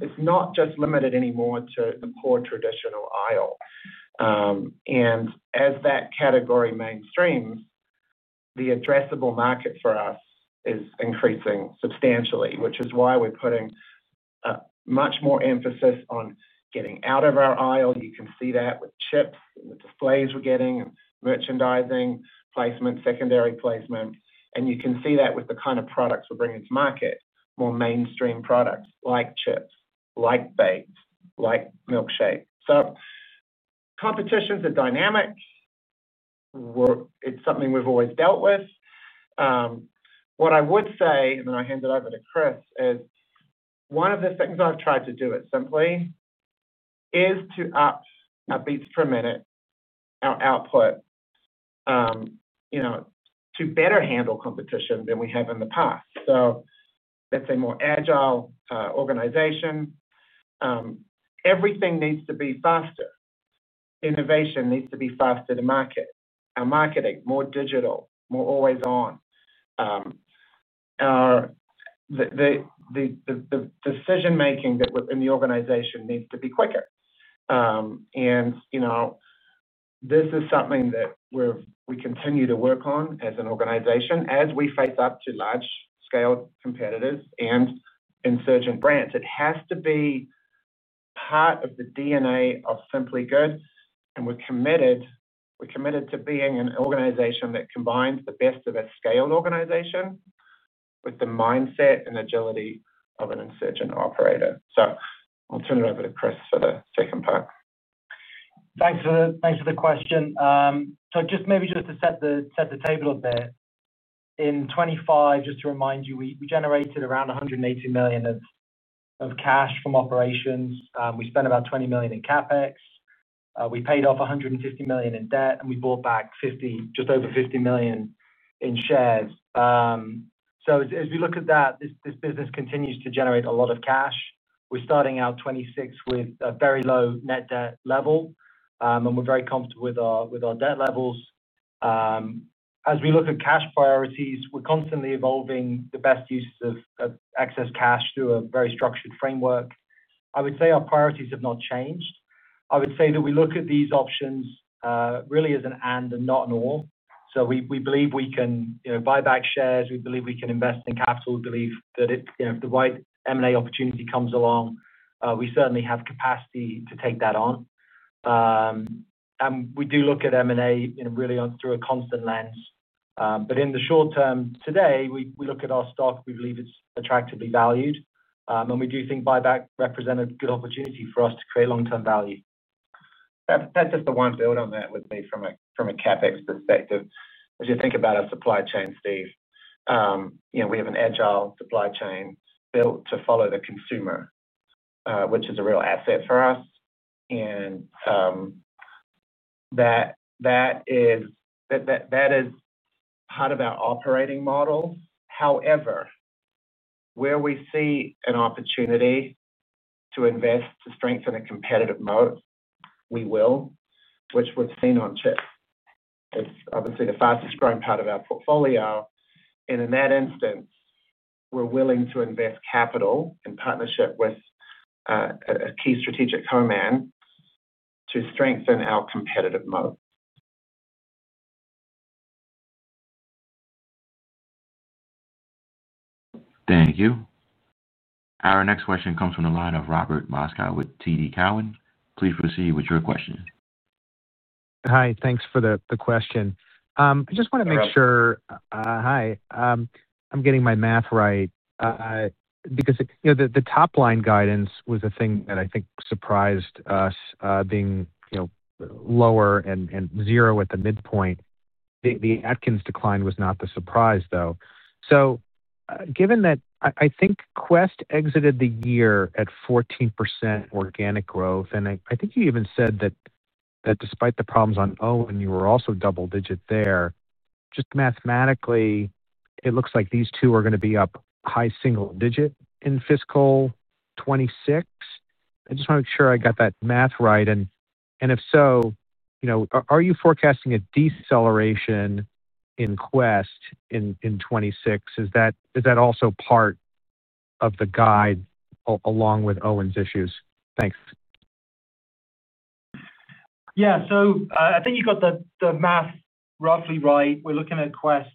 it's not just limited anymore to the poor traditional aisle. As that category mainstreams, the addressable market for us is increasing substantially, which is why we're putting much more emphasis on getting out of our aisle. You can see that with chips, the displays we're getting, merchandising, placement, secondary placement. You can see that with the kind of products we're bringing to market, more mainstream products like chips, like baked, like milkshake. Competition is a dynamic. It's something we've always dealt with. What I would say, then I hand it over to Chris, is one of the things I've tried to do at Simply Good Foods is to up our beats per minute, our output, to better handle competition than we have in the past. That's a more agile organization. Everything needs to be faster. Innovation needs to be faster to market. Our marketing, more digital, more always on. The decision-making that we're in the organization needs to be quicker. This is something that we continue to work on as an organization as we face up to large-scale competitors and insurgent brands. It has to be part of the DNA of Simply Good Foods. We're committed to being an organization that combines the best of a scaled organization with the mindset and agility of an insurgent operator. I'll turn it over to Chris for the second part. Thanks for the question. Just to set the table a bit, in 2025, just to remind you, we generated around $180 million of cash from operations. We spent about $20 million in CapEx. We paid off $150 million in debt, and we bought back just over $50 million in shares. As we look at that, this business continues to generate a lot of cash. We're starting out 2026 with a very low net debt level, and we're very comfortable with our debt levels. As we look at cash priorities, we're constantly evolving the best use of excess cash through a very structured framework. I would say our priorities have not changed. I would say that we look at these options really as an and and not an or. We believe we can buy back shares. We believe we can invest in capital. We believe that if the right M&A opportunity comes along, we certainly have capacity to take that on. We do look at M&A really through a constant lens. In the short term today, we look at our stock. We believe it's attractively valued, and we do think buyback represents a good opportunity for us to create long-term value. Just to build on that with me from a CapEx perspective. As you think about our supply chain, Steve, you know, we have an agile supply chain built to follow the consumer, which is a real asset for us. That is part of our operating model. However, where we see an opportunity to invest to strengthen a competitive moat, we will, which we've seen on chips. It's obviously the fastest growing part of our portfolio. In that instance, we're willing to invest capital in partnership with a key strategic co-man to strengthen our competitive moat. Thank you. Our next question comes from the line of Robert Moskow with TD Cowen. Please proceed with your question. Hi. Thanks for the question. I just want to make sure I'm getting my math right because the top-line guidance was the thing that I think surprised us, being lower and zero at the midpoint. The Atkins decline was not the surprise, though. Given that I think Quest exited the year at 14% organic growth, and I think you even said that despite the problems on OWYN, you were also double-digit there. Just mathematically, it looks like these two are going to be up high single digit in fiscal 2026. I just want to make sure I got that math right. If so, are you forecasting a deceleration in Quest in 2026? Is that also part of the guide along with OWYN's issues? Thanks. Yeah. I think you got the math roughly right. We're looking at Quest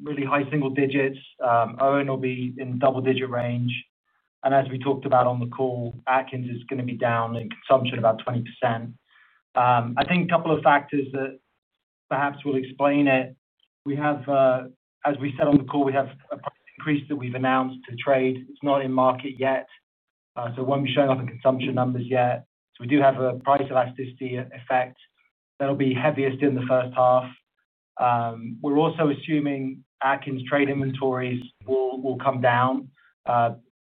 up really high single digits. OWYN will be in the double-digit range. As we talked about on the call, Atkins is going to be down in consumption about 20%. I think a couple of factors that perhaps will explain it. As we said on the call, we have a price increase that we've announced to trade. It's not in market yet, so it won't be showing up in consumption numbers yet. We do have a price elasticity effect that'll be heaviest in the first half. We're also assuming Atkins trade inventories will come down,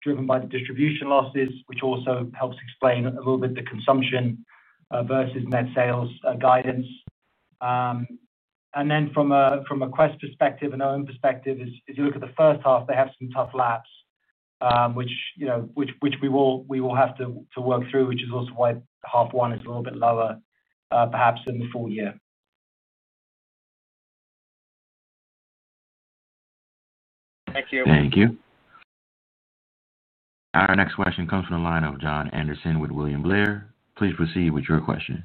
driven by the distribution losses, which also helps explain a little bit the consumption versus net sales guidance. From a Quest perspective and OWYN perspective, as you look at the first half, they have some tough laps, which we will have to work through, which is also why half one is a little bit lower perhaps than the full year. Thank you. Thank you. Our next question comes from the line of Jon Robert Andersen with William Blair & Company L.L.C. Please proceed with your question.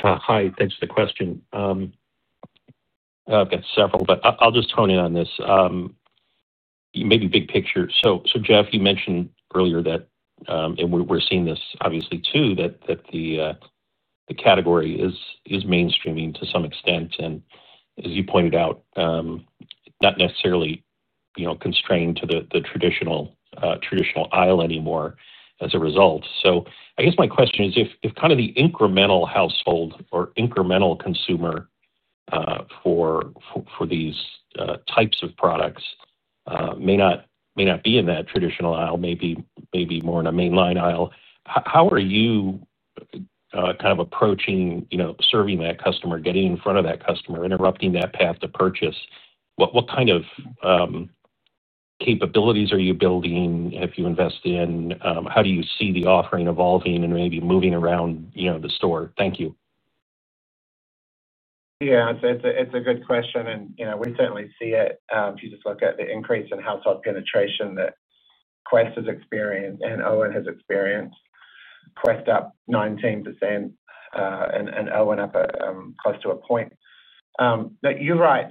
Hi. Thanks for the question. I've got several, but I'll just hone in on this, maybe big picture. Geoff, you mentioned earlier that, and we're seeing this obviously too, the category is mainstreaming to some extent. As you pointed out, not necessarily constrained to the traditional aisle anymore as a result. I guess my question is if kind of the incremental household or incremental consumer for these types of products may not be in that traditional aisle, maybe more in a mainline aisle, how are you kind of approaching serving that customer, getting in front of that customer, interrupting that path to purchase? What kind of capabilities are you building if you invest in? How do you see the offering evolving and maybe moving around the store? Thank you. Yeah, it's a good question. You know, we certainly see it if you just look at the increase in household penetration that Quest has experienced and OWYN has experienced. Quest up 19% and OWYN up close to a point. You're right.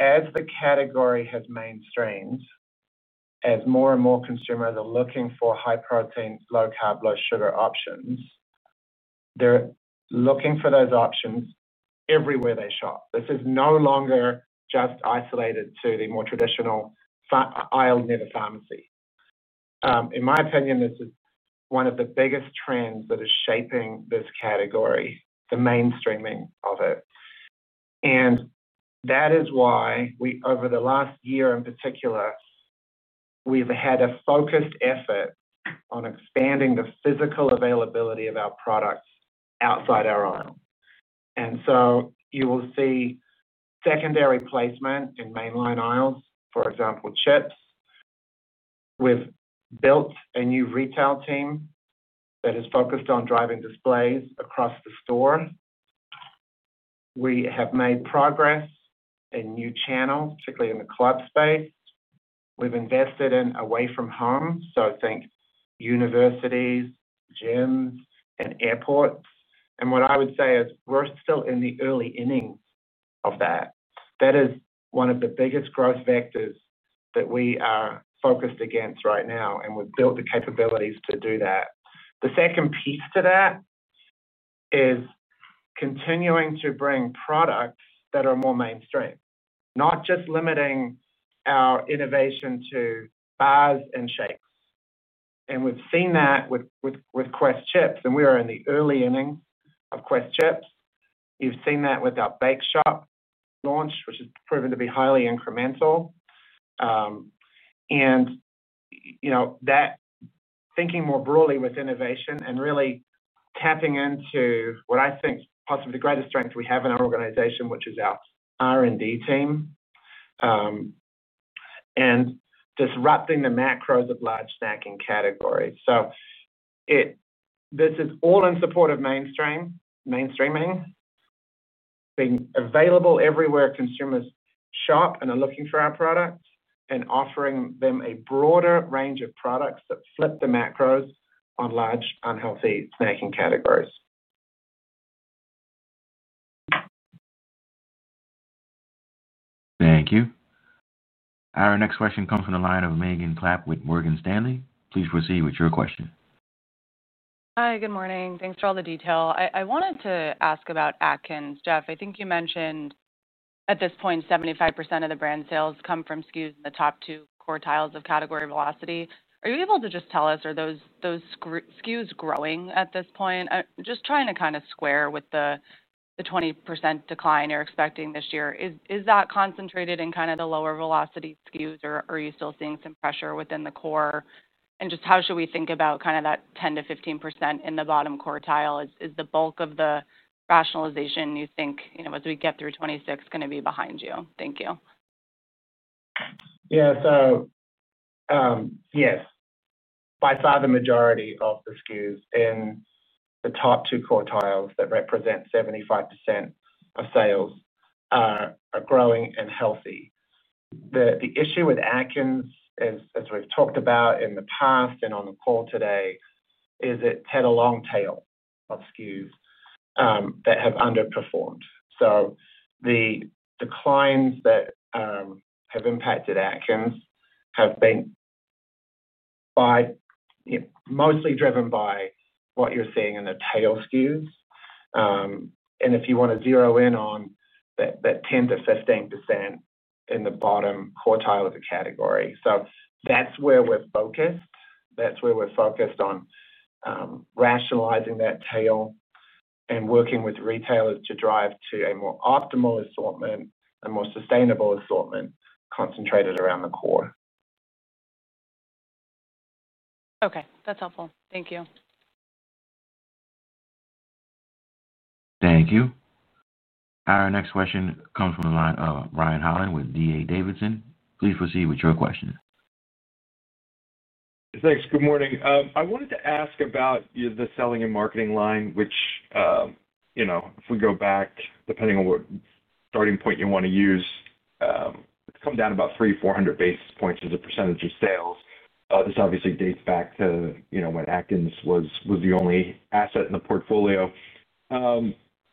As the category has mainstreamed, as more and more consumers are looking for high protein, low carb, low sugar options, they're looking for those options everywhere they shop. This is no longer just isolated to the more traditional aisle near the pharmacy. In my opinion, this is one of the biggest trends that is shaping this category, the mainstreaming of it. That is why we, over the last year in particular, have had a focused effort on expanding the physical availability of our products outside our aisle. You will see secondary placement in mainline aisles, for example, chips. We've built a new retail team that is focused on driving displays across the store. We have made progress in new channels, particularly in the club space. We've invested in away from home, so I think universities, gyms, and airports. What I would say is we're still in the early innings of that. That is one of the biggest growth vectors that we are focused against right now, and we've built the capabilities to do that. The second piece to that is continuing to bring products that are more mainstream, not just limiting our innovation to bars and shakes. We've seen that with Quest chips, and we are in the early innings of Quest chips. You've seen that with our bake shop launch, which has proven to be highly incremental. You know, thinking more broadly with innovation and really tapping into what I think is possibly the greatest strength we have in our organization, which is our R&D team, and disrupting the macros of large snacking categories. This is all in support of mainstreaming, being available everywhere consumers shop and are looking for our products, and offering them a broader range of products that flip the macros on large unhealthy snacking categories. Thank you. Our next question comes from the line of Megan Clapp with Morgan Stanley. Please proceed with your question. Hi. Good morning. Thanks for all the detail. I wanted to ask about Atkins, Geoff. I think you mentioned at this point 75% of the brand sales come from SKUs in the top two quartiles of category velocity. Are you able to just tell us, are those SKUs growing at this point? I'm just trying to kind of square with the 20% decline you're expecting this year. Is that concentrated in kind of the lower velocity SKUs, or are you still seeing some pressure within the core? How should we think about that 10 to 15% in the bottom quartile? Is the bulk of the rationalization you think, as we get through 2026, going to be behind you? Thank you. Yes, by far the majority of the SKUs in the top two quartiles that represent 75% of sales are growing and healthy. The issue with Atkins, as we've talked about in the past and on the call today, is it's had a long tail of SKUs that have underperformed. The declines that have impacted Atkins have been mostly driven by what you're seeing in the tail SKUs. If you want to zero in on that 10%-15% in the bottom quartile of the category, that's where we're focused. That's where we're focused on rationalizing that tail and working with retailers to drive to a more optimal assortment and more sustainable assortment concentrated around the core. Okay, that's helpful. Thank you. Thank you. Our next question comes from the line of Brian Patrick Holland with D.A. Davidson & Co. Please proceed with your question. Thanks. Good morning. I wanted to ask about the selling and marketing line, which, you know, if we go back, depending on what starting point you want to use, it's come down about 300, 400 basis points as a percentage of sales. This obviously dates back to, you know, when Atkins was the only asset in the portfolio.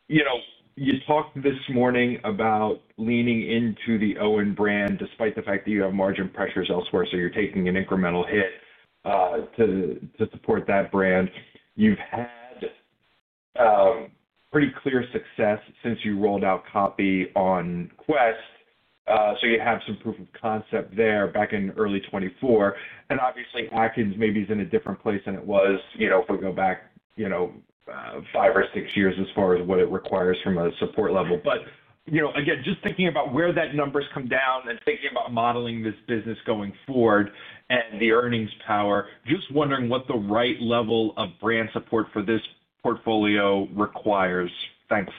You talked this morning about leaning into the OWYN brand despite the fact that you have margin pressures elsewhere. You're taking an incremental hit to support that brand. You've had pretty clear success since you rolled out copy on Quest. You have some proof of concept there back in early 2024. Obviously, Atkins maybe is in a different place than it was, you know, if we go back, you know, five or six years as far as what it requires from a support level. Again, just thinking about where that number's come down and thinking about modeling this business going forward and the earnings power, just wondering what the right level of brand support for this portfolio requires. Thanks.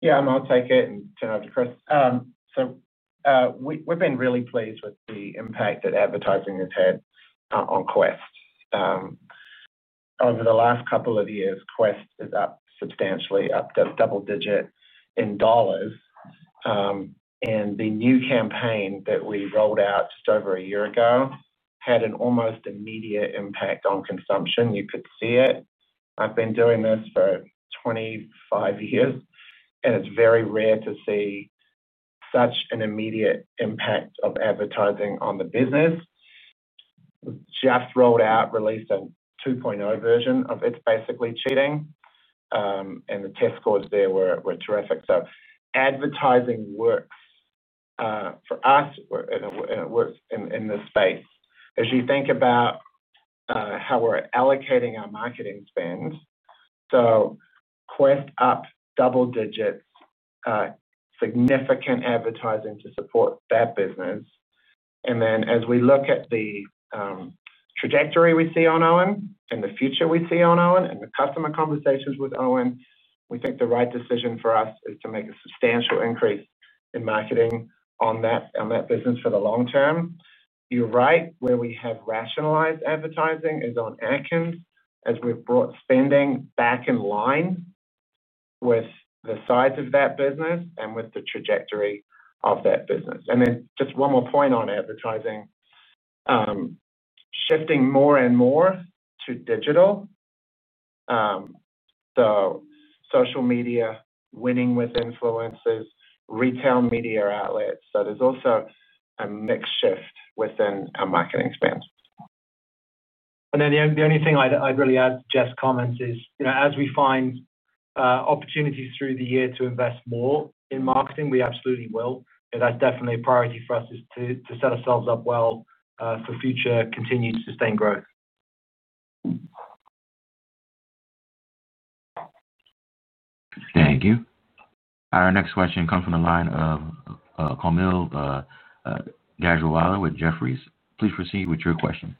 Yeah, I'll take it and turn it over to Chris. We've been really pleased with the impact that advertising has had on Quest. Over the last couple of years, Quest is up substantially, up to double digit in dollars. The new campaign that we rolled out just over a year ago had an almost immediate impact on consumption. You could see it. I've been doing this for 25 years, and it's very rare to see such an immediate impact of advertising on the business. Geoff rolled out, released a 2.0 version of It’s Basically Cheating, and the test scores there were terrific. Advertising works for us, and it works in this space. As you think about how we're allocating our marketing spend, Quest up double digits, significant advertising to support that business. As we look at the trajectory we see on OWYN and the future we see on OWYN and the customer conversations with OWYN, we think the right decision for us is to make a substantial increase in marketing on that business for the long term. You're right, where we have rationalized advertising is on Atkins, as we've brought spending back in line with the size of that business and with the trajectory of that business. One more point on advertising, shifting more and more to digital, social media winning with influencers, retail media outlets. There's also a mixed shift within our marketing spend. The only thing I'd really add to Geoff Tanner's comments is, as we find opportunities through the year to invest more in marketing, we absolutely will. That's definitely a priority for us to set ourselves up well for future continued sustained growth. Thank you. Our next question comes from the line of Kaumil S. Gajrawala with Jefferies LLC. Please proceed with your question.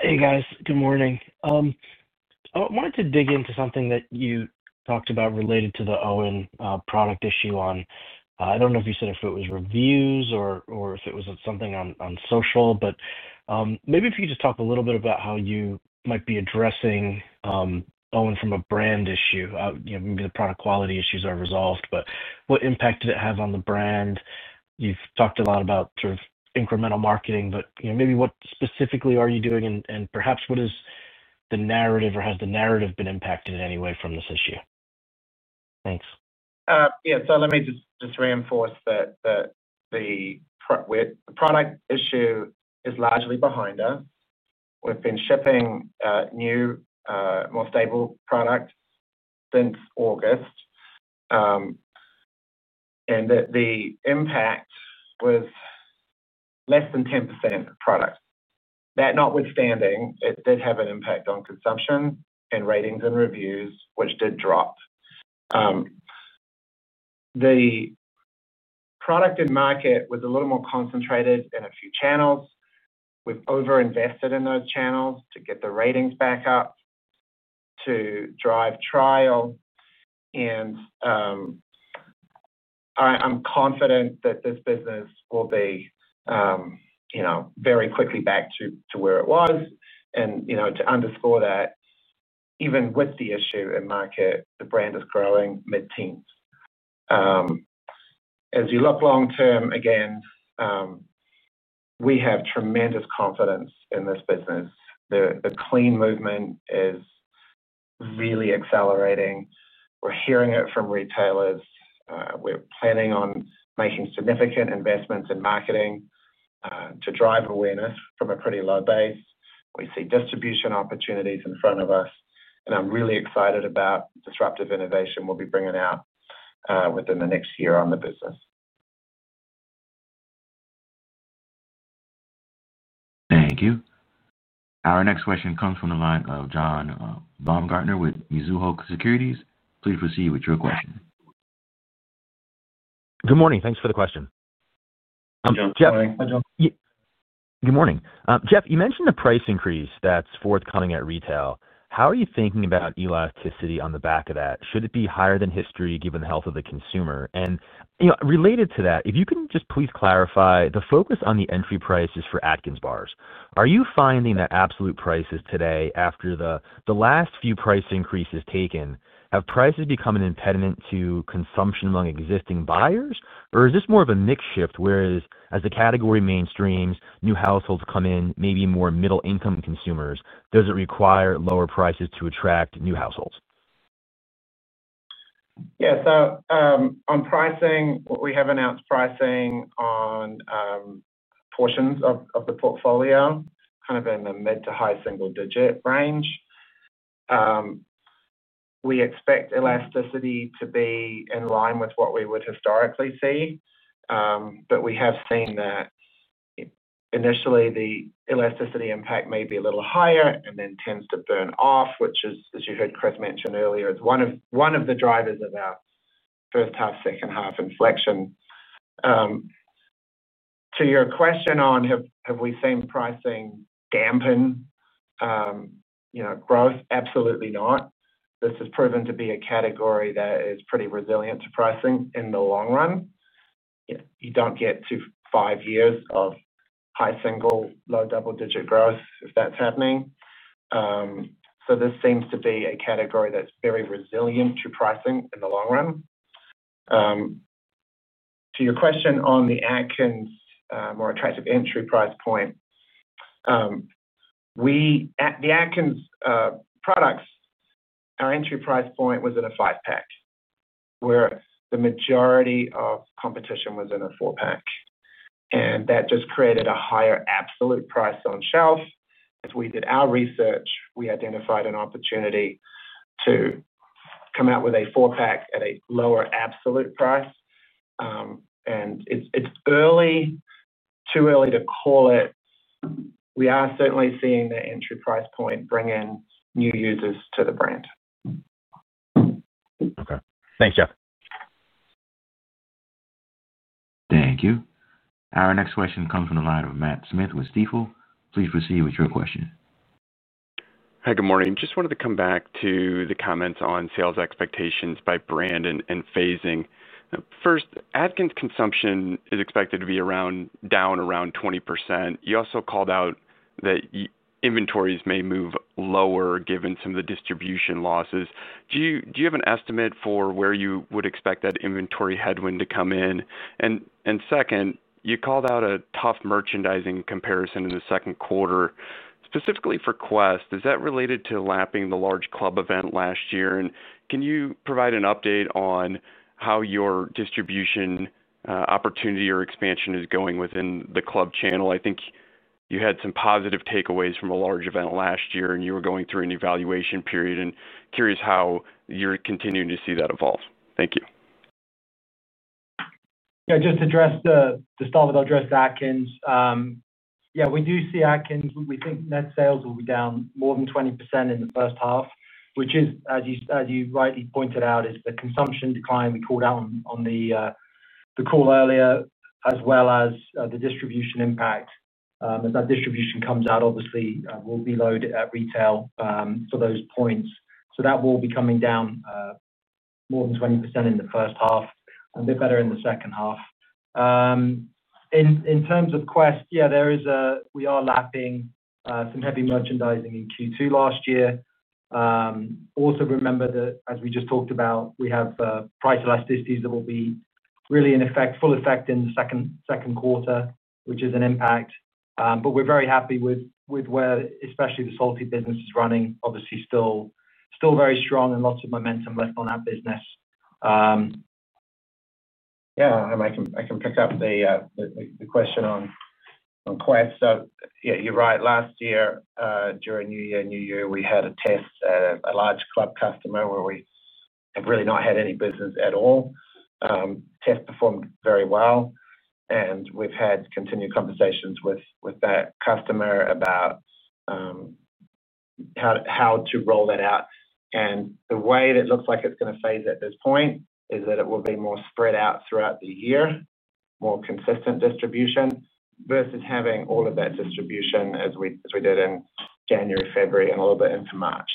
Hey, guys. Good morning. I wanted to dig into something that you talked about related to the OWYN product issue. I don't know if you said if it was reviews or if it was something on social, but maybe if you could just talk a little bit about how you might be addressing OWYN from a brand issue. You know, maybe the product quality issues are resolved, but what impact did it have on the brand? You've talked a lot about sort of incremental marketing, but you know, maybe what specifically are you doing and perhaps what is the narrative or has the narrative been impacted in any way from this issue? Thanks. Let me just reinforce that the product issue is largely behind us. We've been shipping new, more stable products since August, and the impact was less than 10% of product. That notwithstanding, it did have an impact on consumption and ratings and reviews, which did drop. The product in market was a little more concentrated in a few channels. We've overinvested in those channels to get the ratings back up to drive trial. I'm confident that this business will be very quickly back to where it was. To underscore that, even with the issue in market, the brand is growing mid-teens. As you look long term, again, we have tremendous confidence in this business. The clean movement is really accelerating. We're hearing it from retailers. We're planning on making significant investments in marketing to drive awareness from a pretty low base. We see distribution opportunities in front of us, and I'm really excited about disruptive innovation we'll be bringing out within the next year on the business. Thank you. Our next question comes from the line of John Joseph Baumgartner with Mizuho Securities USA LLC. Please proceed with your question. Good morning. Thanks for the question. Hi, John. Good morning. Geoff, you mentioned the price increase that's forthcoming at retail. How are you thinking about elasticity on the back of that? Should it be higher than history given the health of the consumer? Related to that, if you can just please clarify the focus on the entry prices for Atkins bars. Are you finding that absolute prices today, after the last few price increases taken, have prices become an impediment to consumption among existing buyers, or is this more of a mixed shift? As the category mainstreams, new households come in, maybe more middle-income consumers, does it require lower prices to attract new households? Yeah. On pricing, we have announced pricing on portions of the portfolio, kind of in the mid to high single-digit range. We expect elasticity to be in line with what we would historically see, but we have seen that initially the elasticity impact may be a little higher and then tends to burn off, which is, as you heard Chris Bealer mention earlier, is one of the drivers of our first half, second half inflection. To your question on have we seen pricing dampen growth? Absolutely not. This has proven to be a category that is pretty resilient to pricing in the long run. You don't get to five years of high single, low double-digit growth if that's happening. This seems to be a category. Sorry, That's very resilient to pricing in the long run. To your question on Atkins, more attractive entry price point, we at Atkins, products, our entry price point was in a five-pack, where the majority of competition was in a four-pack. That just created a higher absolute price on shelf. As we did our research, we identified an opportunity to come out with a four-pack at a lower absolute price. It's early, too early to call it. We are certainly seeing the entry price point bring in new users to the brand. Okay, thanks, Geoff. Thank you. Our next question comes from the line of Matthew Edward Smith with Stifel. Please proceed with your question. Hi. Good morning. Just wanted to come back to the comments on sales expectations by brand and phasing. First, Atkins consumption is expected to be down around 20%. You also called out that your inventories may move lower given some of the distribution losses. Do you have an estimate for where you would expect that inventory headwind to come in? Second, you called out a tough merchandising comparison in the second quarter, specifically for Quest. Is that related to lapping the large club event last year? Can you provide an update on how your distribution opportunity or expansion is going within the club channel? I think you had some positive takeaways from a large event last year, and you were going through an evaluation period. Curious how you're continuing to see that evolve. Thank you. Yeah. To start with, I'll address Atkins. Yeah, we do see Atkins, we think net sales will be down more than 20% in the first half, which is, as you rightly pointed out, the consumption decline we called out on the call earlier, as well as the distribution impact. As that distribution comes out, obviously, we'll be low at retail for those points. That will be coming down more than 20% in the first half, a bit better in the second half. In terms of Quest, yeah, we are lapping some heavy merchandising in Q2 last year. Also remember that, as we just talked about, we have price elasticities that will be really in effect, full effect in the second quarter, which is an impact. We're very happy with where especially the salty snacks business is running. Obviously, still very strong and lots of momentum left on that business. Yeah. I can pick up the question on Quest. You're right. Last year, during New Year, we had a test at a large club customer where we have really not had any business at all. The test performed very well, and we've had continued conversations with that customer about how to roll that out. The way that it looks like it's going to phase at this point is that it will be more spread out throughout the year, more consistent distribution versus having all of that distribution as we did in January, February, and a little bit into March.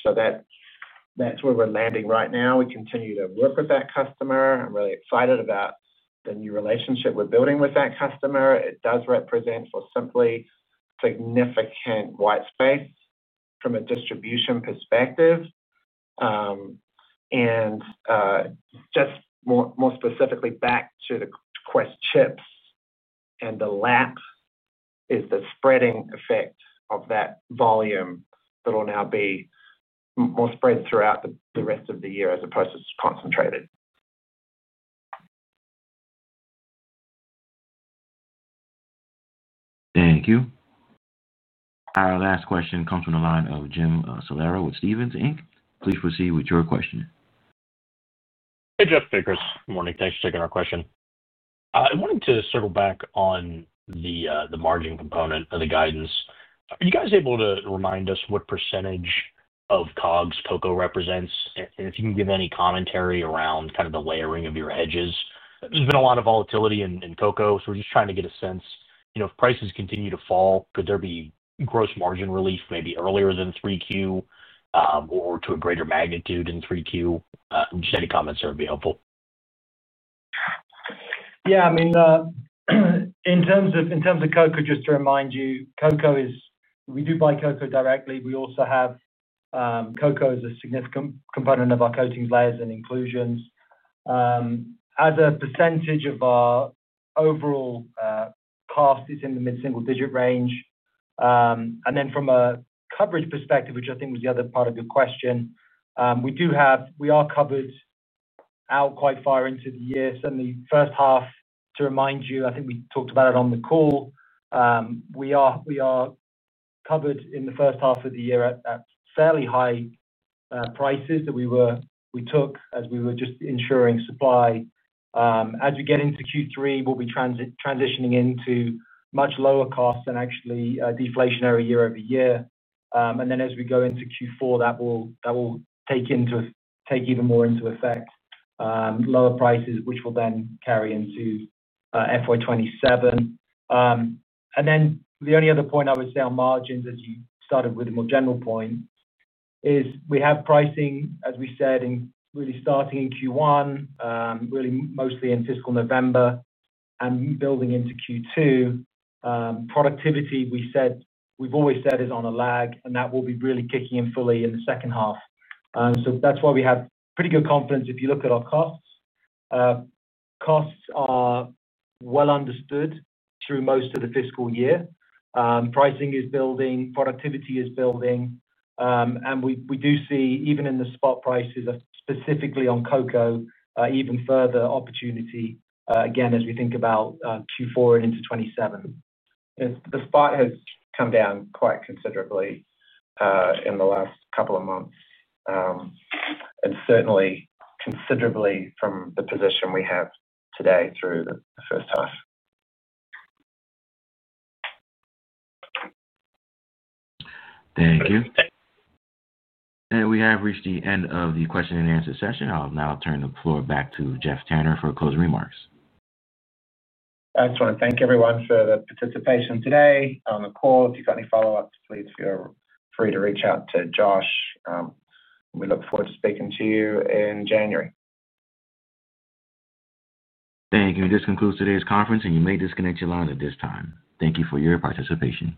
That's where we're landing right now. We continue to work with that customer. I'm really excited about the new relationship we're building with that customer. It does represent for Simply significant white space from a distribution perspective. More specifically, back to the Quest chips and the lap is the spreading effect of that volume that'll now be more spread throughout the rest of the year as opposed to concentrated. Thank you. Our last question comes from the line of James Ronald Salera with Stephens Inc. Please proceed with your question. Hey, Geoff. Hey, Chris. Good morning. Thanks for taking our question. I wanted to circle back on the margin component of the guidance. Are you guys able to remind us what percentage of COGS cocoa represents? If you can give any commentary around the layering of your hedges, there's been a lot of volatility in cocoa, so we're just trying to get a sense, you know, if prices continue to fall, could there be gross margin relief maybe earlier than 3Q, or to a greater magnitude in 3Q? Just any comments there would be helpful. Yeah. I mean, in terms of cocoa, just to remind you, cocoa is, we do buy cocoa directly. We also have, cocoa is a significant component of our coatings, layers, and inclusions. As a percentage of our overall cost, it's in the mid-single-digit range. Then from a coverage perspective, which I think was the other part of your question, we are covered out quite far into the year. Certainly, first half, to remind you, I think we talked about it on the call. We are covered in the first half of the year at fairly high prices that we took as we were just ensuring supply. As we get into Q3, we'll be transitioning into much lower costs and actually, deflationary year over year. As we go into Q4, that will take into effect, take even more into effect, lower prices, which will then carry into FY 2027. The only other point I would say on margins, as you started with a more general point, is we have pricing, as we said, really starting in Q1, really mostly in fiscal November and building into Q2. Productivity, we said, we've always said is on a lag, and that will be really kicking in fully in the second half. That's why we have pretty good confidence if you look at our costs. Costs are well understood through most of the fiscal year. Pricing is building. Productivity is building. We do see, even in the spot prices, specifically on cocoa, even further opportunity, again, as we think about Q4 and into 2027. Yeah. The spot has come down quite considerably in the last couple of months, and certainly considerably from the position we have today through the first half. Thank you. We have reached the end of the question-and-answer session. I'll now turn the floor back to Geoff Tanner for closing remarks. That's fine. Thank everyone for the participation today on the call. If you've got any follow-ups, please feel free to reach out to Josh. We look forward to speaking to you in January. Thank you. This concludes today's conference, and you may disconnect your line at this time. Thank you for your participation.